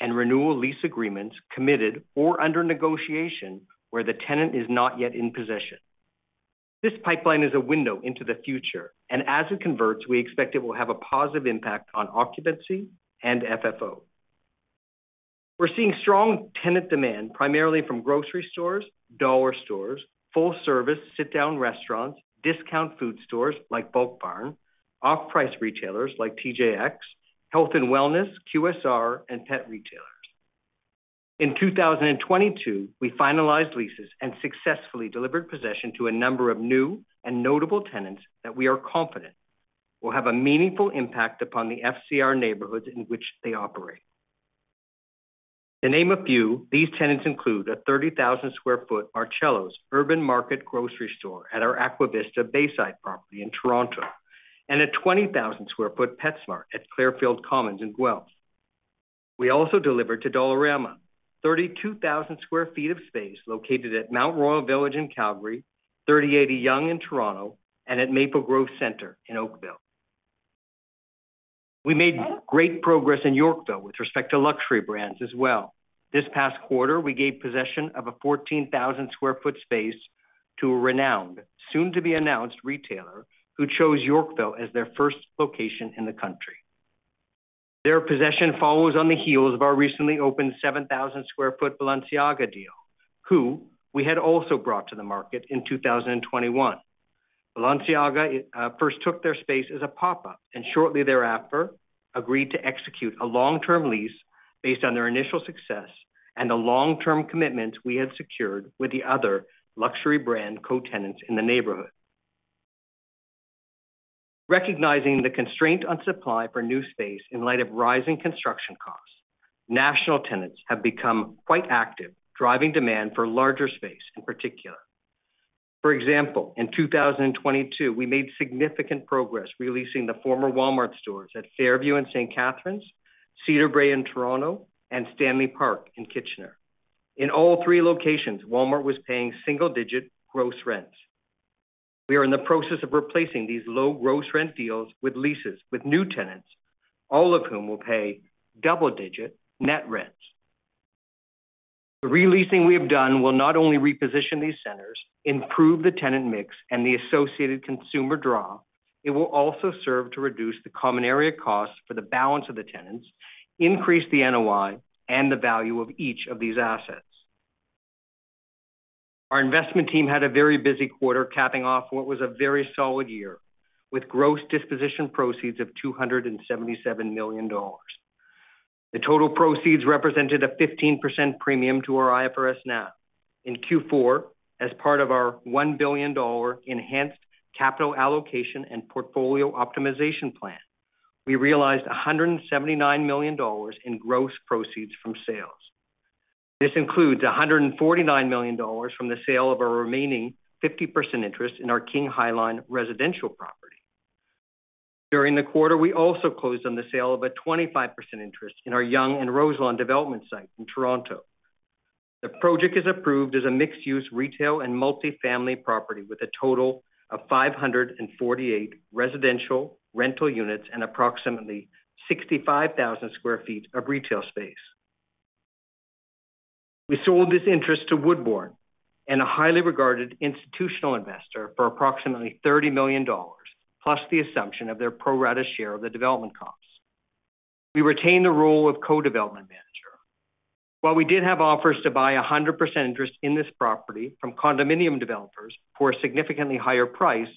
and renewal lease agreements committed or under negotiation where the tenant is not yet in possession. This pipeline is a window into the future. As it converts, we expect it will have a positive impact on occupancy and FFO. We're seeing strong tenant demand, primarily from grocery stores, dollar stores, full-service sit-down restaurants, discount food stores like Bulk Barn, off-price retailers like TJX, health and wellness, QSR, and pet retailers. In 2022, we finalized leases and successfully delivered possession to a number of new and notable tenants that we are confident will have a meaningful impact upon the FCR neighborhoods in which they operate. To name a few, these tenants include a 30,000 sq ft Marcello's Urban Market grocery store at our Aquavista Bayside property in Toronto, and a 20,000 sq ft PetSmart at Clairfields Commons in Guelph. We also delivered to Dollarama 32,000 sq ft of space located at Mount Royal Village in Calgary, 3080 Yonge in Toronto, and at Maple Grove Centre in Oakville. We made great progress in Yorkville with respect to luxury brands as well. This past quarter, we gave possession of a 14,000 sq ft space to a renowned, soon-to-be-announced retailer who chose Yorkville as their first location in the country. Their possession follows on the heels of our recently opened 7,000 sq ft Balenciaga deal, who we had also brought to the market in 2021. Balenciaga first took their space as a pop-up. Shortly thereafter, agreed to execute a long-term lease based on their initial success and the long-term commitment we had secured with the other luxury brand co-tenants in the neighborhood. Recognizing the constraint on supply for new space in light of rising construction costs, national tenants have become quite active, driving demand for larger space in particular. For example, in 2022, we made significant progress releasing the former Walmart stores at Fairview in St. Catharines, Cedarbrae in Toronto, and Stanley Park in Kitchener. In all three locations, Walmart was paying single-digit gross rents. We are in the process of replacing these low gross rent deals with leases with new tenants, all of whom will pay double-digit net rents. The re-leasing we have done will not only reposition these centers, improve the tenant mix, and the associated consumer draw, it will also serve to reduce the common area costs for the balance of the tenants, increase the NOI and the value of each of these assets. Our investment team had a very busy quarter capping off what was a very solid year with gross disposition proceeds of 277 million dollars. The total proceeds represented a 15% premium to our IFRS NAV. In Q4, as part of our 1 billion dollar enhanced capital allocation and portfolio optimization plan, we realized 179 million dollars in gross proceeds from sales. This includes $149 million from the sale of our remaining 50% interest in our King High Line residential property. During the quarter, we also closed on the sale of a 25% interest in our Yonge and Roselawn development site in Toronto. The project is approved as a mixed-use retail and multi-family property with a total of 548 residential rental units and approximately 65,000 sq ft of retail space. We sold this interest to Woodbourne and a highly regarded institutional investor for approximately $30 million, plus the assumption of their pro rata share of the development costs. We retain the role of co-development manager. While we did have offers to buy 100% interest in this property from condominium developers for a significantly higher price,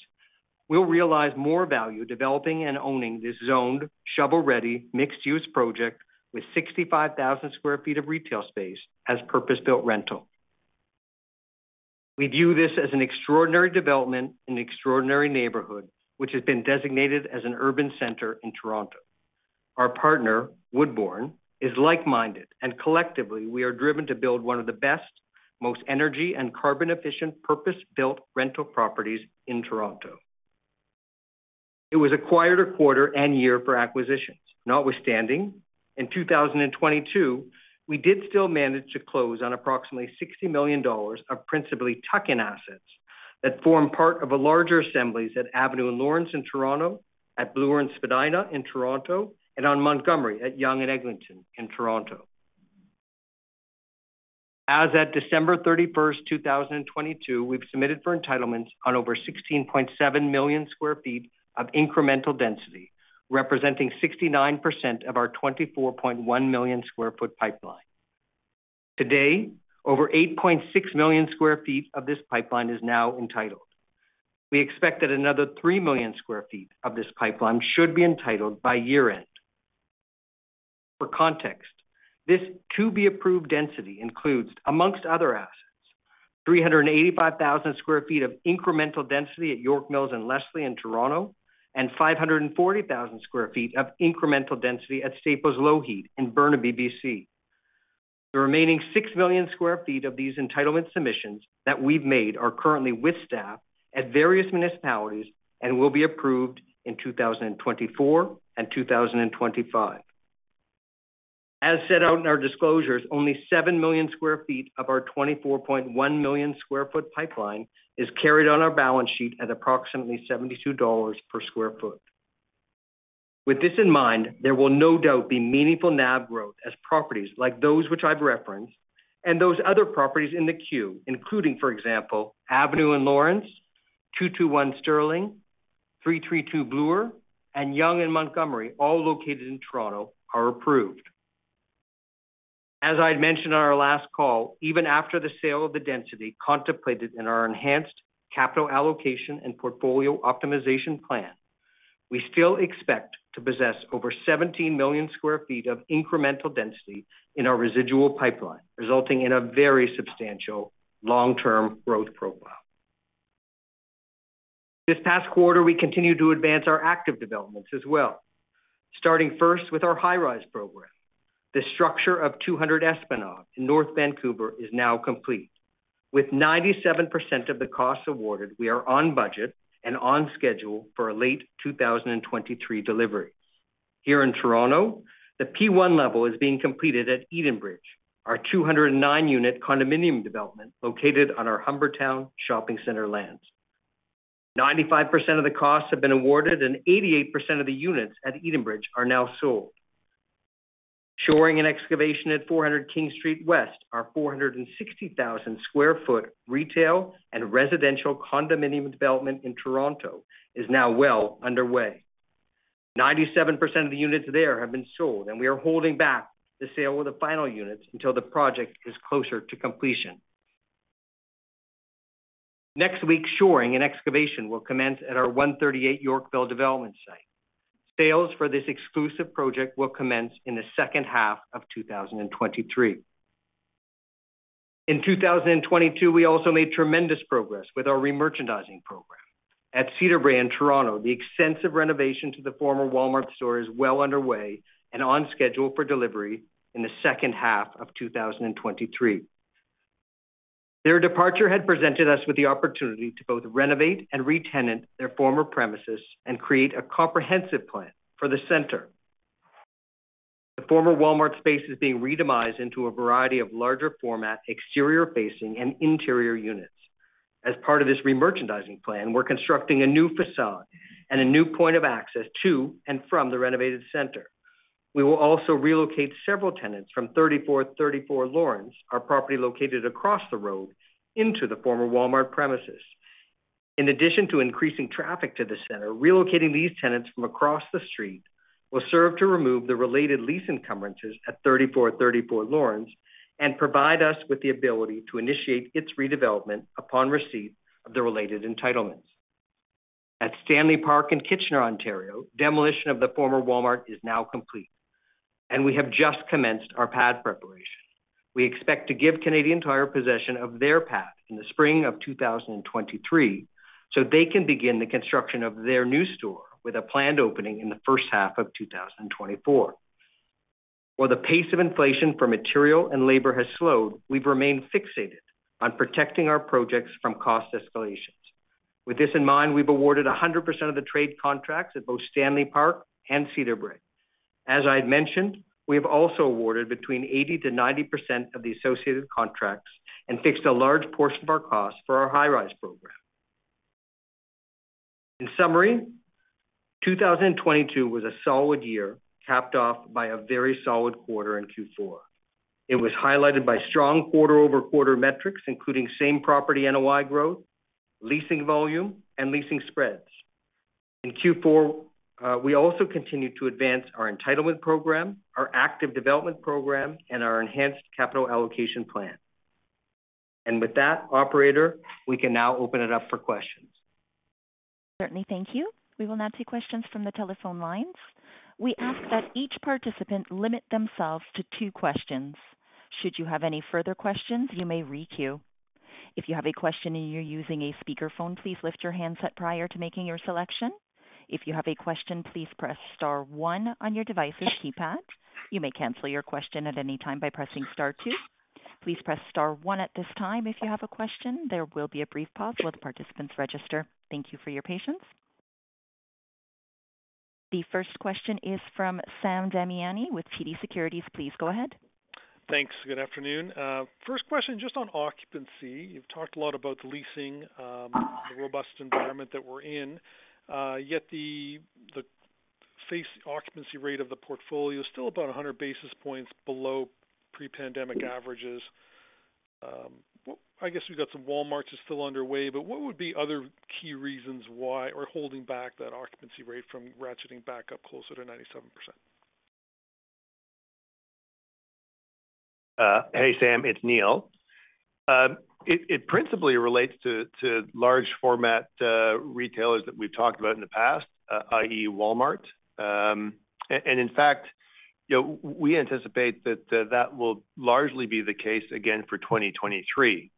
we'll realize more value developing and owning this zoned, shovel-ready, mixed-use project with 65,000 sq ft of retail space as purpose-built rental. We view this as an extraordinary development in an extraordinary neighborhood, which has been designated as an urban center in Toronto. Our partner, Woodbourne, is like-minded, and collectively, we are driven to build one of the best, most energy and carbon-efficient purpose-built rental properties in Toronto. It was a quieter quarter and year for acquisitions. In 2022, we did still manage to close on approximately 60 million dollars of principally tuck-in assets that form part of a larger assemblies at Avenue and Lawrence in Toronto, at Bloor and Spadina in Toronto, and on Montgomery at Yonge and Eglinton in Toronto. As at December 31, 2022, we've submitted for entitlements on over 16.7 million sq ft of incremental density, representing 69% of our 24.1 million sq ft pipeline. Today, over 8.6 million sq ft of this pipeline is now entitled. We expect that another 3 million sq ft of this pipeline should be entitled by year-end. For context, this to-be-approved density includes, amongst other assets, 385,000 sq ft of incremental density at York Mills and Leslie in Toronto, and 540,000 sq ft of incremental density at Staples Lougheed in Burnaby, BC. The remaining 6 million sq ft of these entitlement submissions that we've made are currently with staff at various municipalities and will be approved in 2024 and 2025. As set out in our disclosures, only 7 million sq ft of our 24.1 million square foot pipeline is carried on our balance sheet at approximately $72 per square foot. With this in mind, there will no doubt be meaningful NAV growth as properties like those which I've referenced and those other properties in the queue, including, for example, Avenue and Lawrence, 221 Sterling, 332 Bloor, and Yonge and Montgomery, all located in Toronto, are approved. As I'd mentioned on our last call, even after the sale of the density contemplated in our enhanced capital allocation and portfolio optimization plan, we still expect to possess over 17 million sqe ft of incremental density in our residual pipeline, resulting in a very substantial long-term growth profile. This past quarter, we continued to advance our active developments as well. Starting first with our high-rise program. The structure of 200 Esplanade in North Vancouver is now complete. With 97% of the costs awarded, we are on budget and on schedule for a late 2023 delivery. Here in Toronto, the P1 level is being completed at Edenbridge, our 209 unit condominium development located on our Humber Town Shopping Center lands. 95% of the costs have been awarded and 88% of the units at Edenbridge are now sold. Shoring and excavation at 400 King Street West, our 460,000 sq ft retail and residential condominium development in Toronto is now well underway. 97% of the units there have been sold, and we are holding back the sale of the final units until the project is closer to completion. Next week, shoring and excavation will commence at our 138 Yorkville development site. Sales for this exclusive project will commence in the second half of 2023. In 2022, we also made tremendous progress with our remerchandising program. At Cedarbrae in Toronto, the extensive renovation to the former Walmart store is well underway and on schedule for delivery in the second half of 2023. Their departure had presented us with the opportunity to both renovate and retenant their former premises and create a comprehensive plan for the center. The former Walmart space is being redemised into a variety of larger format, exterior facing, and interior units. As part of this re-merchandising plan, we're constructing a new facade and a new point of access to and from the renovated center. We will also relocate several tenants from 3434 Lawrence, our property located across the road, into the former Walmart premises. In addition to increasing traffic to the center, relocating these tenants from across the street will serve to remove the related lease encumbrances at 3434 Lawrence and provide us with the ability to initiate its redevelopment upon receipt of the related entitlements. At Stanley Park in Kitchener, Ontario, demolition of the former Walmart is now complete, and we have just commenced our pad preparation. We expect to give Canadian Tire possession of their pad in the spring of 2023 so they can begin the construction of their new store with a planned opening in the first half of 2024. While the pace of inflation for material and labor has slowed, we've remained fixated on protecting our projects from cost escalations. With this in mind, we've awarded 100% of the trade contracts at both Stanley Park and Cedarbrae. As I mentioned, we have also awarded between 80%-90% of the associated contracts and fixed a large portion of our costs for our high rise program. In summary, 2022 was a solid year, capped off by a very solid quarter in Q4. It was highlighted by strong quarter-over-quarter metrics, including same-property NOI growth, leasing volume, and leasing spreads. In Q4, we also continued to advance our entitlement program, our active development program, and our enhanced capital allocation plan. With that, operator, we can now open it up for questions. Certainly. Thank you. We will now take questions from the telephone lines. We ask that each participant limit themselves to two questions. Should you have any further questions, you may re-queue. If you have a question and you're using a speakerphone, please lift your handset prior to making your selection. If you have a question, please press star one on your device's keypad. You may cancel your question at any time by pressing star two. Please press star one at this time if you have a question. There will be a brief pause while the participants register. Thank you for your patience. The first question is from Sam Damiani with TD Securities. Please go ahead. Thanks. Good afternoon. First question, just on occupancy. You've talked a lot about the leasing, the robust environment that we're in, yet the face occupancy rate of the portfolio is still about 100 basis points below pre-pandemic averages. I guess we've got some Walmarts that are still underway, but what would be other key reasons why are holding back that occupancy rate from ratcheting back up closer to 97%? Hey, Sam, it's Neil. It principally relates to large format retailers that we've talked about in the past, i.e., Walmart. In fact, you know, we anticipate that will largely be the case again for 2023.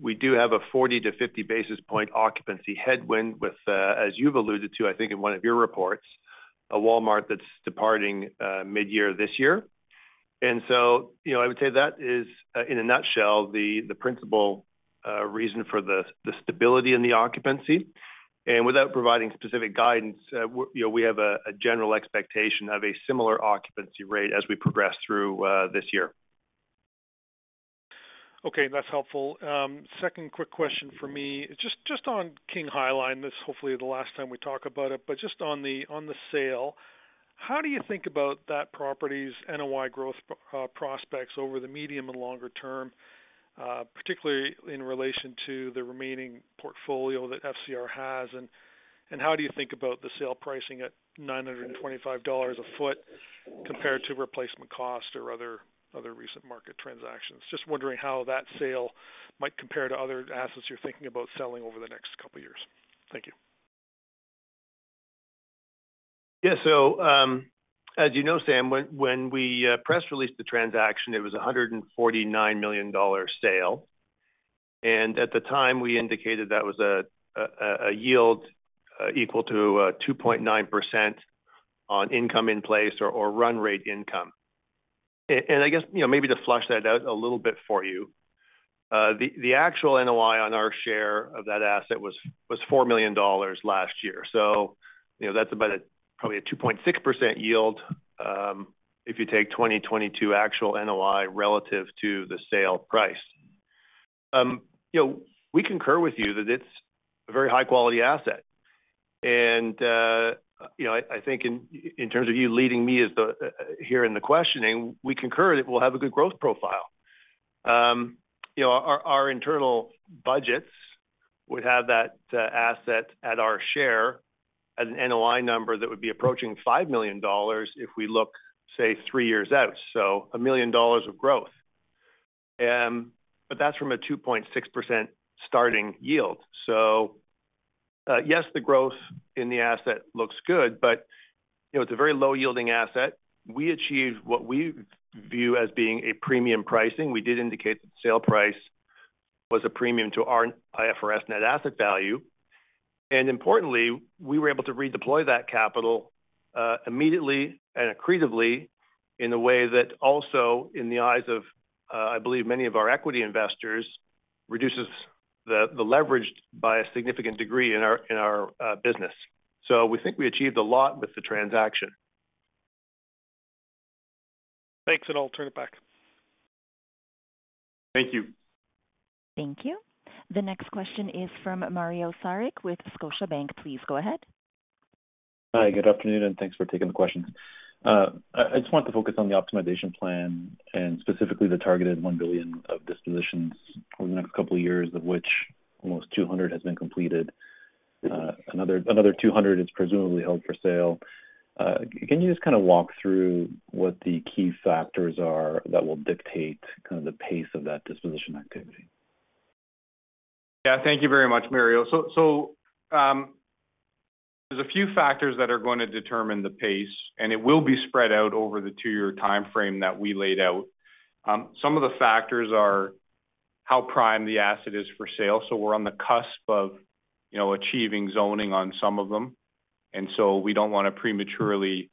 We do have a 40 to 50 basis point occupancy headwind with, as you've alluded to, I think, in one of your reports, a Walmart that's departing mid-year this year. You know, I would say that is in a nutshell, the principal reason for the stability in the occupancy. Without providing specific guidance, you know, we have a general expectation of a similar occupancy rate as we progress through this year. Okay, that's helpful. Second quick question for me, just on King High Line. This is hopefully the last time we talk about it, but just on the sale, how do you think about that property's NOI growth prospects over the medium and longer term, particularly in relation to the remaining portfolio that FCR has? How do you think about the sale pricing at 925 dollars a foot compared to replacement cost or other recent market transactions? Just wondering how that sale might compare to other assets you're thinking about selling over the next couple of years. Thank you. As you know, Sam, when we press-released the transaction, it was a 149 million dollar sale. At the time, we indicated that was a yield equal to 2.9% on income in place or run rate income. I guess, you know, maybe to flush that out a little bit for you, the actual NOI on our share of that asset was 4 million dollars last year. You know, that's about a probably a 2.6% yield, if you take 2022 actual NOI relative to the sale price. You know, we concur with you that it's a very high-quality asset. You know, I think in terms of you leading me here in the questioning, we concur that we'll have a good growth profile. You know, our internal budgets would have that asset at our share as an NOI number that would be approaching 5 million dollars if we look, say, 3 years out, so 1 million dollars of growth. That's from a 2.6% starting yield. Yes, the growth in the asset looks good, you know, it's a very low-yielding asset. We achieved what we view as being a premium pricing. We did indicate the sale price was a premium to our IFRS net asset value. Importantly, we were able to redeploy that capital immediately and accretively in a way that also, in the eyes of, I believe many of our equity investors, reduces the leverage by a significant degree in our business. We think we achieved a lot with the transaction. Thanks. I'll turn it back. Thank you. Thank you. The next question is from Mario Saric with Scotiabank. Please go ahead. Hi, good afternoon, thanks for taking the question. I just want to focus on the optimization plan and specifically the targeted 1 billion of dispositions over the next couple of years, of which almost 200 has been completed. Another 200 is presumably held for sale. Can you just kind of walk through what the key factors are that will dictate kind of the pace of that disposition activity? Yeah. Thank you very much, Mario. There's a few factors that are gonna determine the pace, and it will be spread out over the 2-year timeframe that we laid out. Some of the factors are how prime the asset is for sale, we're on the cusp of, you know, achieving zoning on some of them. We don't wanna prematurely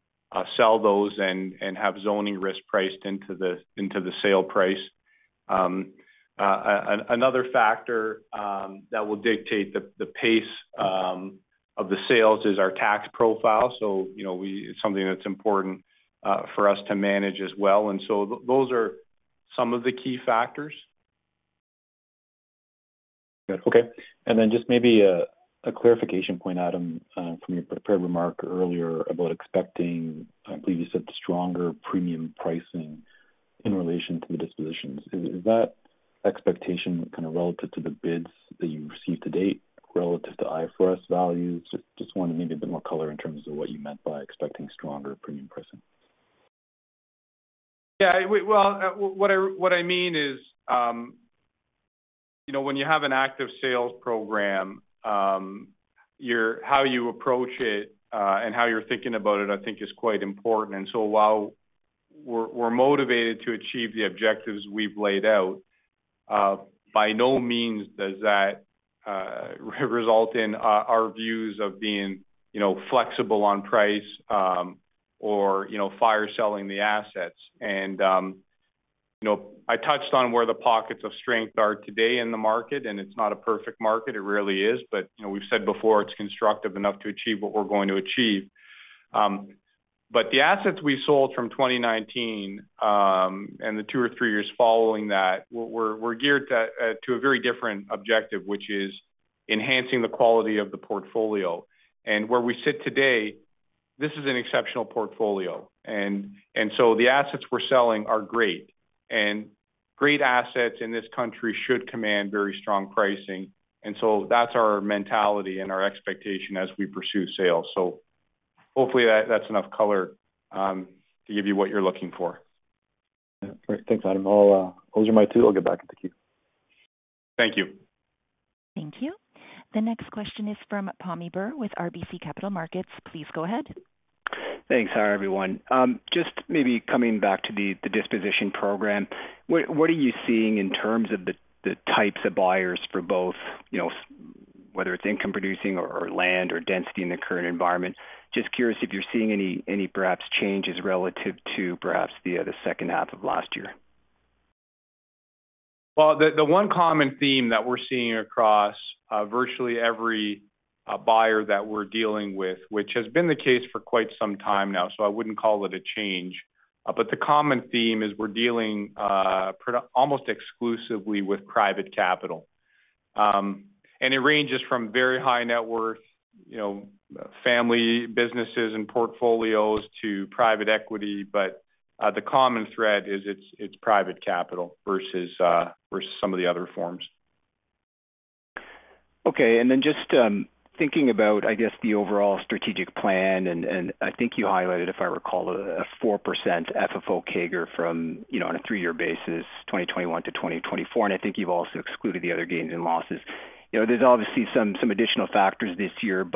sell those and have zoning risk priced into the sale price. Another factor that will dictate the pace of the sales is our tax profile. You know, it's something that's important for us to manage as well. Those are some of the key factors. Okay. Then just maybe a clarification point, Adam, from your prepared remark earlier about expecting, I believe you said stronger premium pricing in relation to the dispositions. Is that expectation kind of relative to the bids that you've received to date relative to IFRS values? Just wanted maybe a bit more color in terms of what you meant by expecting stronger premium pricing. Yeah, well, what I mean is, you know, when you have an active sales program, how you approach it, and how you're thinking about it, I think is quite important. While we're motivated to achieve the objectives we've laid out, by no means does that result in our views of being, you know, flexible on price, or, you know, fire selling the assets. I touched on where the pockets of strength are today in the market, and it's not a perfect market, it really is. We've said before, it's constructive enough to achieve what we're going to achieve. The assets we sold from 2019, and the 2 or 3 years following that, we're geared to a very different objective, which is enhancing the quality of the portfolio. Where we sit today, this is an exceptional portfolio. The assets we're selling are great. Great assets in this country should command very strong pricing. That's our mentality and our expectation as we pursue sales. Hopefully that's enough color to give you what you're looking for. Yeah. Great. Thanks, Adam. I'll close your mic too. I'll get back. Thank you. Thank you. Thank you. The next question is from Pammi Bir with RBC Capital Markets. Please go ahead. Thanks. Hi, everyone. Just maybe coming back to the disposition program, what are you seeing in terms of the types of buyers for both, you know, whether it's income producing or land or density in the current environment? Just curious if you're seeing any perhaps changes relative to perhaps the second half of last year? The one common theme that we're seeing across virtually every buyer that we're dealing with, which has been the case for quite some time now, so I wouldn't call it a change. The common theme is we're dealing almost exclusively with private capital. It ranges from very high net worth, you know, family businesses and portfolios to private equity. The common thread is it's private capital versus some of the other forms. Okay. Just thinking about, I guess, the overall strategic plan, and I think you highlighted, if I recall, a 4% FFO CAGR from, you know, on a three-year basis, 2021 to 2024, and I think you've also excluded the other gains and losses. You know, there's obviously some additional factors this year.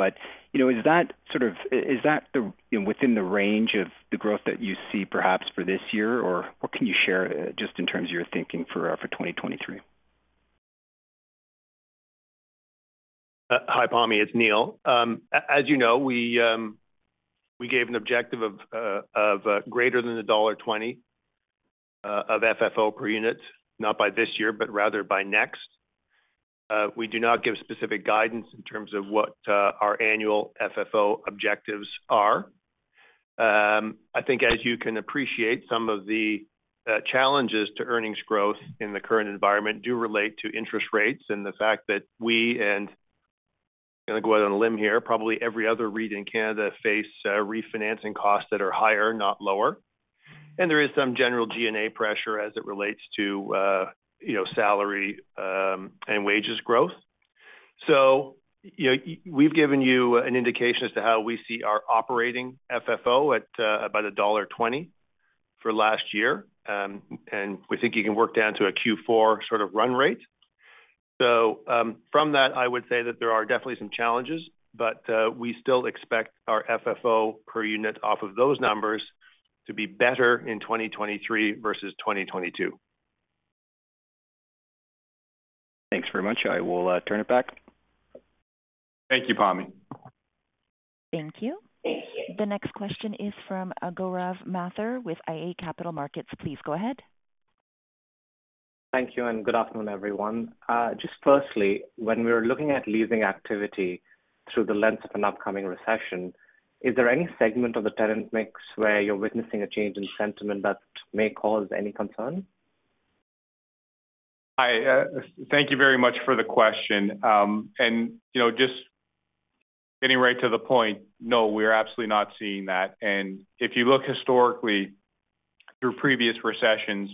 You know, is that the, you know, within the range of the growth that you see perhaps for this year? Or what can you share just in terms of your thinking for 2023? Hi, Pammi, it's Neil. As you know, we gave an objective of greater than dollar 1.20 of FFO per unit, not by this year, but rather by next. We do not give specific guidance in terms of what our annual FFO objectives are. I think as you can appreciate, some of the challenges to earnings growth in the current environment do relate to interest rates and the fact that we and, gonna go out on a limb here, probably every other REIT in Canada face refinancing costs that are higher, not lower. There is some general G&A pressure as it relates to, you know, salary and wages growth. You know, we've given you an indication as to how we see our operating FFO at about dollar 1.20 for last year. We think you can work down to a Q4 sort of run rate. From that, I would say that there are definitely some challenges, but we still expect our FFO per unit off of those numbers to be better in 2023 versus 2022. Thanks very much. I will turn it back. Thank you, Pammi. Thank you. The next question is from Gaurav Mathur with iA Capital Markets. Please go ahead. Thank you, and good afternoon, everyone. Just firstly, when we're looking at leasing activity through the lens of an upcoming recession, is there any segment of the tenant mix where you're witnessing a change in sentiment that may cause any concern? I thank you very much for the question. You know, just getting right to the point, no, we're absolutely not seeing that. If you look historically through previous recessions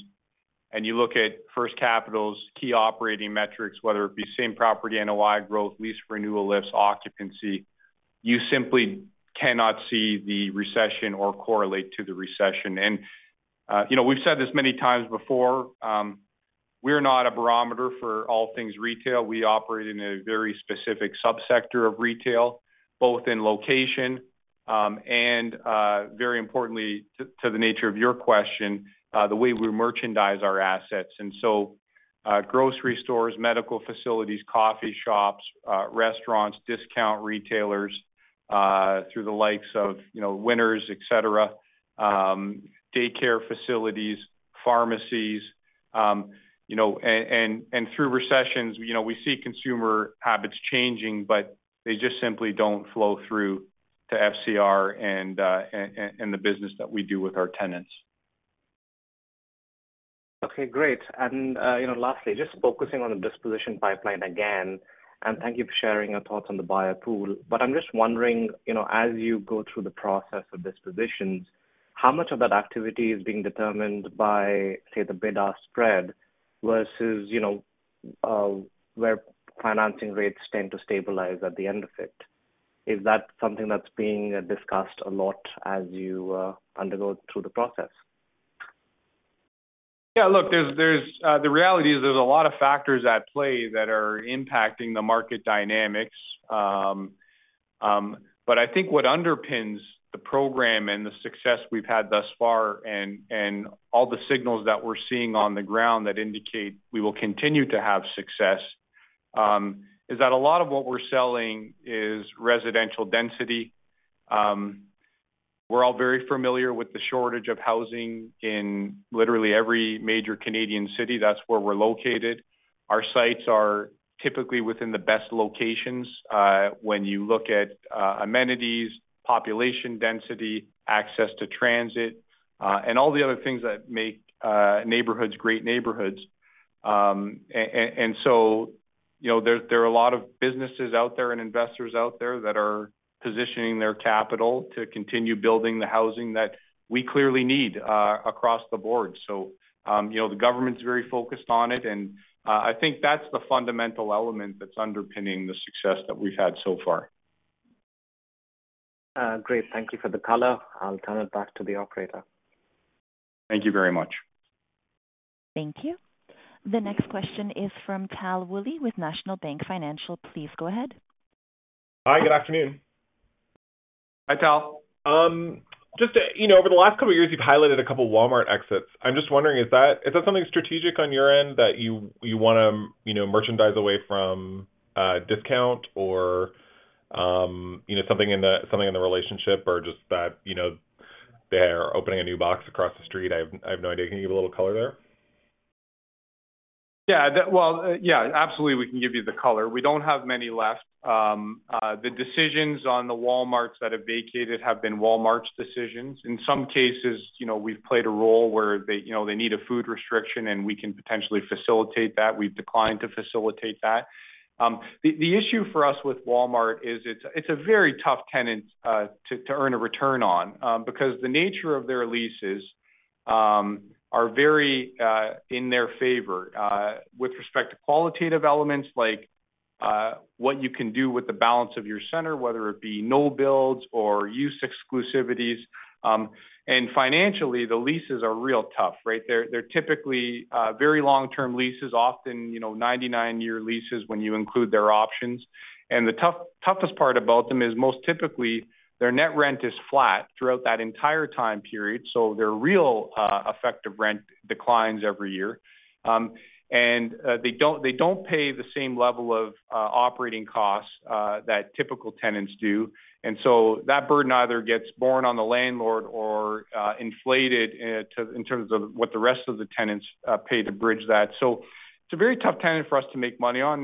and you look at First Capital's key operating metrics, whether it be same property NOI growth, lease renewal lifts, occupancy, you simply cannot see the recession or correlate to the recession. You know, we've said this many times before, we're not a barometer for all things retail. We operate in a very specific subsector of retail, both in location, and very importantly to the nature of your question, the way we merchandise our assets. Grocery stores, medical facilities, coffee shops, restaurants, discount retailers, through the likes of, you know, Winners, et cetera, daycare facilities, pharmacies. You know, through recessions, you know, we see consumer habits changing, but they just simply don't flow through to FCR and the business that we do with our tenants. Okay, great. You know, lastly, just focusing on the disposition pipeline again, and thank you for sharing your thoughts on the buyer pool, but I'm just wondering, you know, as you go through the process of dispositions, how much of that activity is being determined by, say, the bid-ask spread versus, you know, where financing rates tend to stabilize at the end of it? Is that something that's being discussed a lot as you undergo through the process? Yeah, look, there's the reality is there's a lot of factors at play that are impacting the market dynamics. I think what underpins the program and the success we've had thus far and all the signals that we're seeing on the ground that indicate we will continue to have success, is that a lot of what we're selling is residential density. We're all very familiar with the shortage of housing in literally every major Canadian city. That's where we're located. Our sites are typically within the best locations, when you look at amenities, population density, access to transit, and all the other things that make neighborhoods great neighborhoods. You know, there are a lot of businesses out there and investors out there that are positioning their capital to continue building the housing that we clearly need, across the board. You know, the government's very focused on it, and, I think that's the fundamental element that's underpinning the success that we've had so far. Great. Thank you for the color. I'll turn it back to the operator. Thank you very much. Thank you. The next question is from Tal Woolley with National Bank Financial. Please go ahead. Hi, good afternoon. Hi, Tal. Just to you know, over the last couple of years, you've highlighted a couple Walmart exits. I'm just wondering, is that something strategic on your end that you wanna, you know, merchandise away from discount or, you know, something in the relationship or just that, you know, they're opening a new box across the street? I have no idea. Can you give a little color there? Yeah. Well, yeah, absolutely we can give you the color. We don't have many left. The decisions on the Walmarts that have vacated have been Walmart's decisions. In some cases, you know, we've played a role where they, you know, they need a food restriction, and we can potentially facilitate that. We've declined to facilitate that. The issue for us with Walmart is it's a very tough tenant to earn a return on because the nature of their leases are very in their favor with respect to qualitative elements like what you can do with the balance of your center, whether it be no builds or use exclusivities. Financially, the leases are real tough, right? They're typically very long-term leases, often, you know, 99-year leases when you include their options. The toughest part about them is most typically their net rent is flat throughout that entire time period, so their real effective rent declines every year. They don't pay the same level of operating costs that typical tenants do. That burden either gets borne on the landlord or inflated in terms of what the rest of the tenants pay to bridge that. It's a very tough tenant for us to make money on.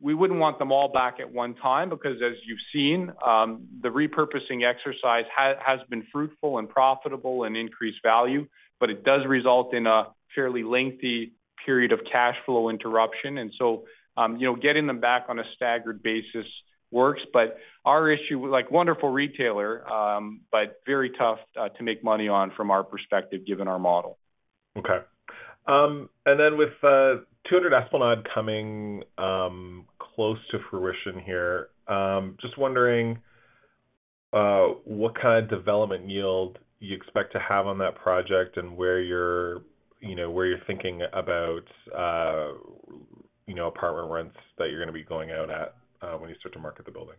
We wouldn't want them all back at one time because, as you've seen, the repurposing exercise has been fruitful and profitable and increased value, but it does result in a fairly lengthy period of cash flow interruption. So, you know, getting them back on a staggered basis works. Like, wonderful retailer, but very tough to make money on from our perspective, given our model. Okay. Then with 200 Esplanade coming close to fruition here, just wondering what kind of development yield you expect to have on that project and where you're, you know, where you're thinking about, you know, apartment rents that you're gonna be going out at when you start to market the building?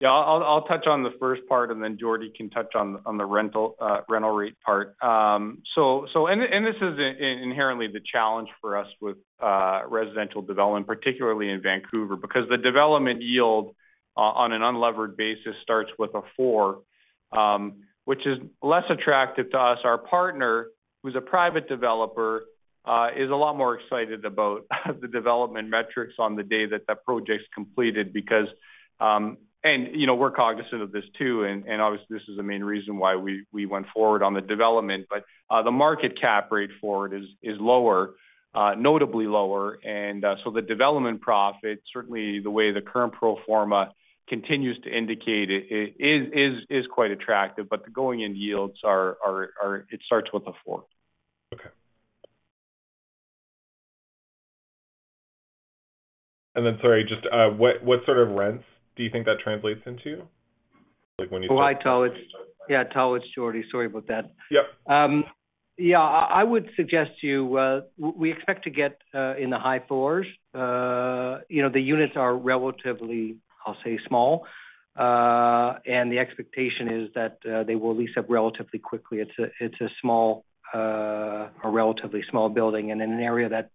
Yeah, I'll touch on the first part, and then Jordie can touch on the rental rate part. This is inherently the challenge for us with residential development, particularly in Vancouver, because the development yield on an unlevered basis starts with a 4, which is less attractive to us. Our partner, who's a private developer, is a lot more excited about the development metrics on the day that that project's completed because. You know, we're cognizant of this too, and obviously this is the main reason why we went forward on the development. The market cap rate for it is lower, notably lower. The development profit, certainly the way the current pro forma continues to indicate it, is quite attractive, but the going in yields are. It starts with a 4. Okay. Then, sorry, just, what sort of rents do you think that translates into? Like Oh, hi, Tal. Yeah, Tal, it's Jordie. Sorry about that. Yep. Yeah. I would suggest you, we expect to get, in the high fours. You know, the units are relatively, I'll say, small. The expectation is that, they will lease up relatively quickly. It's a small, a relatively small building and in an area that,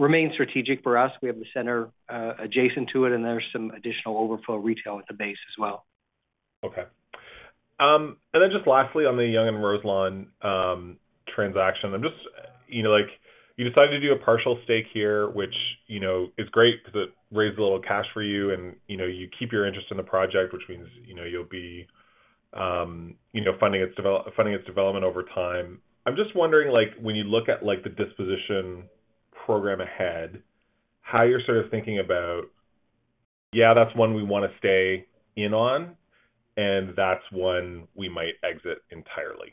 remains strategic for us. We have the center, adjacent to it, and there's some additional overflow retail at the base as well. Okay. Just lastly, on the Yonge and Roselawn transaction. I'm just, you know, like you decided to do a partial stake here, which, you know, is great 'cause it raised a little cash for you and, you know, you keep your interest in the project, which means, you know, you'll be, you know, funding its development over time. I'm just wondering, like, when you look at, like, the disposition program ahead, how you're sort of thinking about, "Yeah, that's one we wanna stay in on, and that's one we might exit entirely.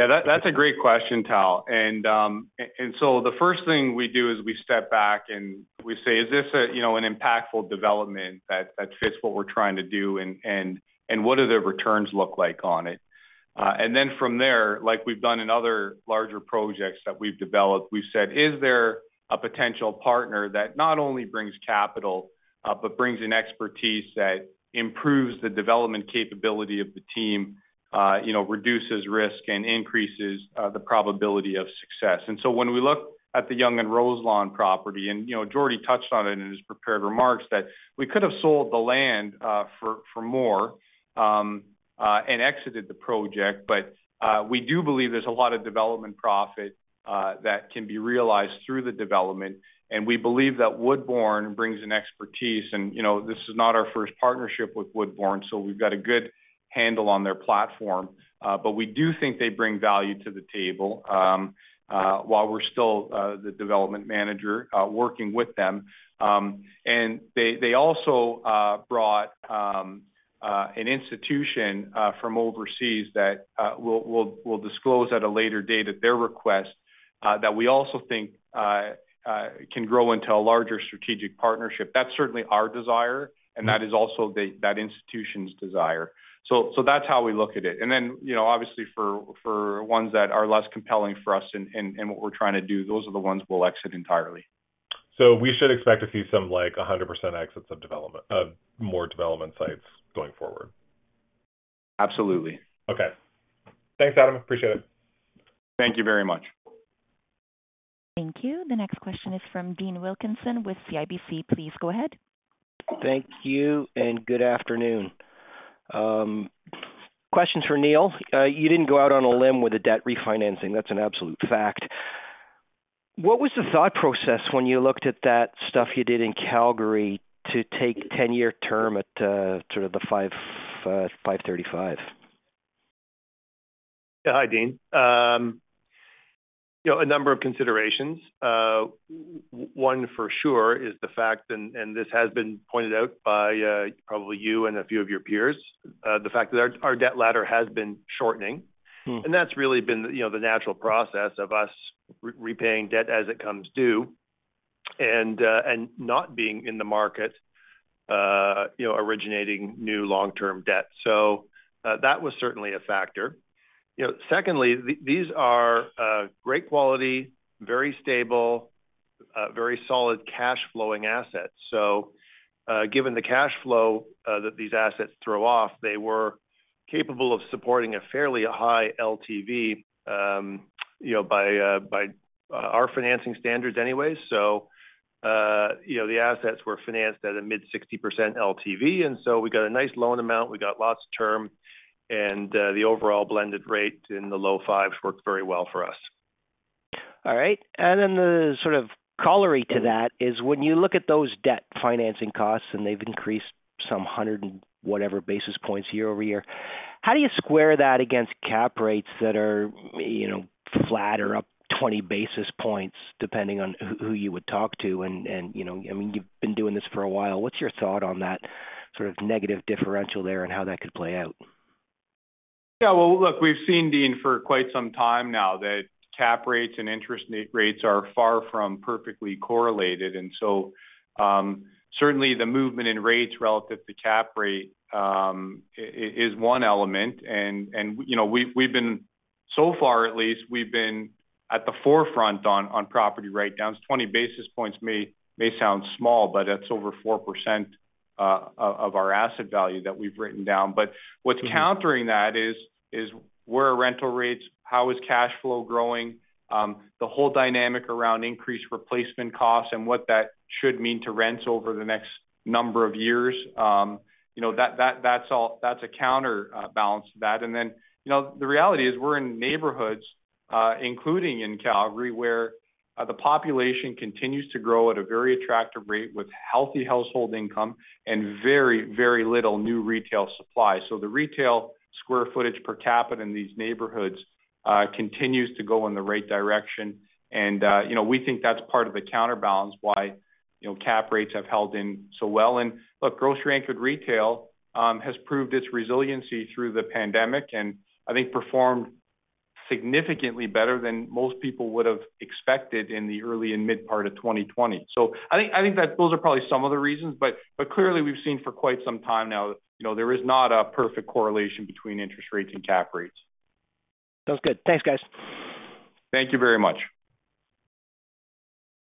Yeah, that's a great question, Tal. The first thing we do is we step back and we say, "Is this a, you know, an impactful development that fits what we're trying to do and what do the returns look like on it?" From there, like we've done in other larger projects that we've developed, we've said, "Is there a potential partner that not only brings capital, but brings in expertise that improves the development capability of the team, you know, reduces risk and increases the probability of success?" When we look at the Yonge and Roselawn property, and, you know, Jordie touched on it in his prepared remarks that we could have sold the land for more and exited the project. We do believe there's a lot of development profit that can be realized through the development. We believe that Woodbourne brings in expertise. You know, this is not our first partnership with Woodbourne, so we've got a good handle on their platform. We do think they bring value to the table while we're still the development manager working with them. They also brought an institution from overseas that we'll disclose at a later date at their request that we also think can grow into a larger strategic partnership. That's certainly our desire, and that is also that institution's desire. That's how we look at it. You know, obviously for ones that are less compelling for us and what we're trying to do, those are the ones we'll exit entirely. We should expect to see some, like, 100% exits of more development sites going forward? Absolutely. Okay. Thanks, Adam. Appreciate it. Thank you very much. Thank you. The next question is from Dean Wilkinson with CIBC. Please go ahead. Thank you, good afternoon. Question's for Neil. You didn't go out on a limb with the debt refinancing, that's an absolute fact. What was the thought process when you looked at that stuff you did in Calgary to take 10-year term at, sort of the 5.35%? Yeah. Hi, Dean. You know, a number of considerations. One for sure is the fact, and this has been pointed out by probably you and a few of your peers, the fact that our debt ladder has been shortening. Mm. That's really been, you know, the natural process of us repaying debt as it comes due and not being in the market, you know, originating new long-term debt. That was certainly a factor. You know, secondly, these are great quality, very stable, very solid cash flowing assets. Given the cash flow that these assets throw off, they were capable of supporting a fairly high LTV, you know, by our financing standards anyway. You know, the assets were financed at a mid-60% LTV, and so we got a nice loan amount, we got lots of term, and the overall blended rate in the low 5s worked very well for us. All right. The sort of corollary to that is when you look at those debt financing costs, and they've increased some 100 and whatever basis points year-over-year, how do you square that against cap rates that are, you know, flat or up 20 basis points, depending on who you would talk to? You know, I mean, you've been doing this for a while. What's your thought on that sort of negative differential there and how that could play out? Yeah. Well, look, we've seen, Dean, for quite some time now that cap rates and interest rates are far from perfectly correlated. Certainly the movement in rates relative to cap rate is one element. you know, we've been So far, at least we've been at the forefront on property write-downs. 20 basis points may sound small, but it's over 4%, of our asset value that we've written down. What's countering that is where are rental rates? How is cash flow growing? The whole dynamic around increased replacement costs and what that should mean to rents over the next number of years. you know that's all that's a counter balance to that. You know, the reality is we're in neighborhoods, including in Calgary, where the population continues to grow at a very attractive rate with healthy household income and very, very little new retail supply. The retail square footage per capita in these neighborhoods continues to go in the right direction. You know, we think that's part of the counterbalance why, you know, cap rates have held in so well. Look, grocery anchored retail has proved its resiliency through the pandemic. I think performed significantly better than most people would have expected in the early and mid part of 2020. I think that those are probably some of the reasons. Clearly we've seen for quite some time now, you know, there is not a perfect correlation between interest rates and cap rates. Sounds good. Thanks, guys. Thank you very much.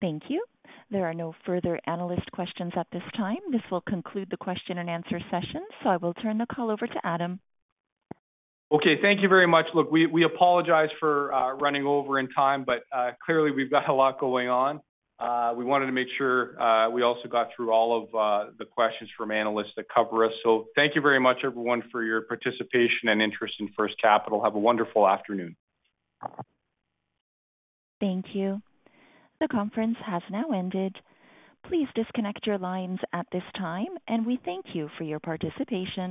Thank you. There are no further analyst questions at this time. This will conclude the question and answer session. I will turn the call over to Adam. Okay, thank you very much. Look, we apologize for running over in time, clearly we've got a lot going on. We wanted to make sure we also got through all of the questions from analysts that cover us. Thank you very much everyone, for your participation and interest in First Capital. Have a wonderful afternoon. Thank you. The conference has now ended. Please disconnect your lines at this time, and we thank you for your participation.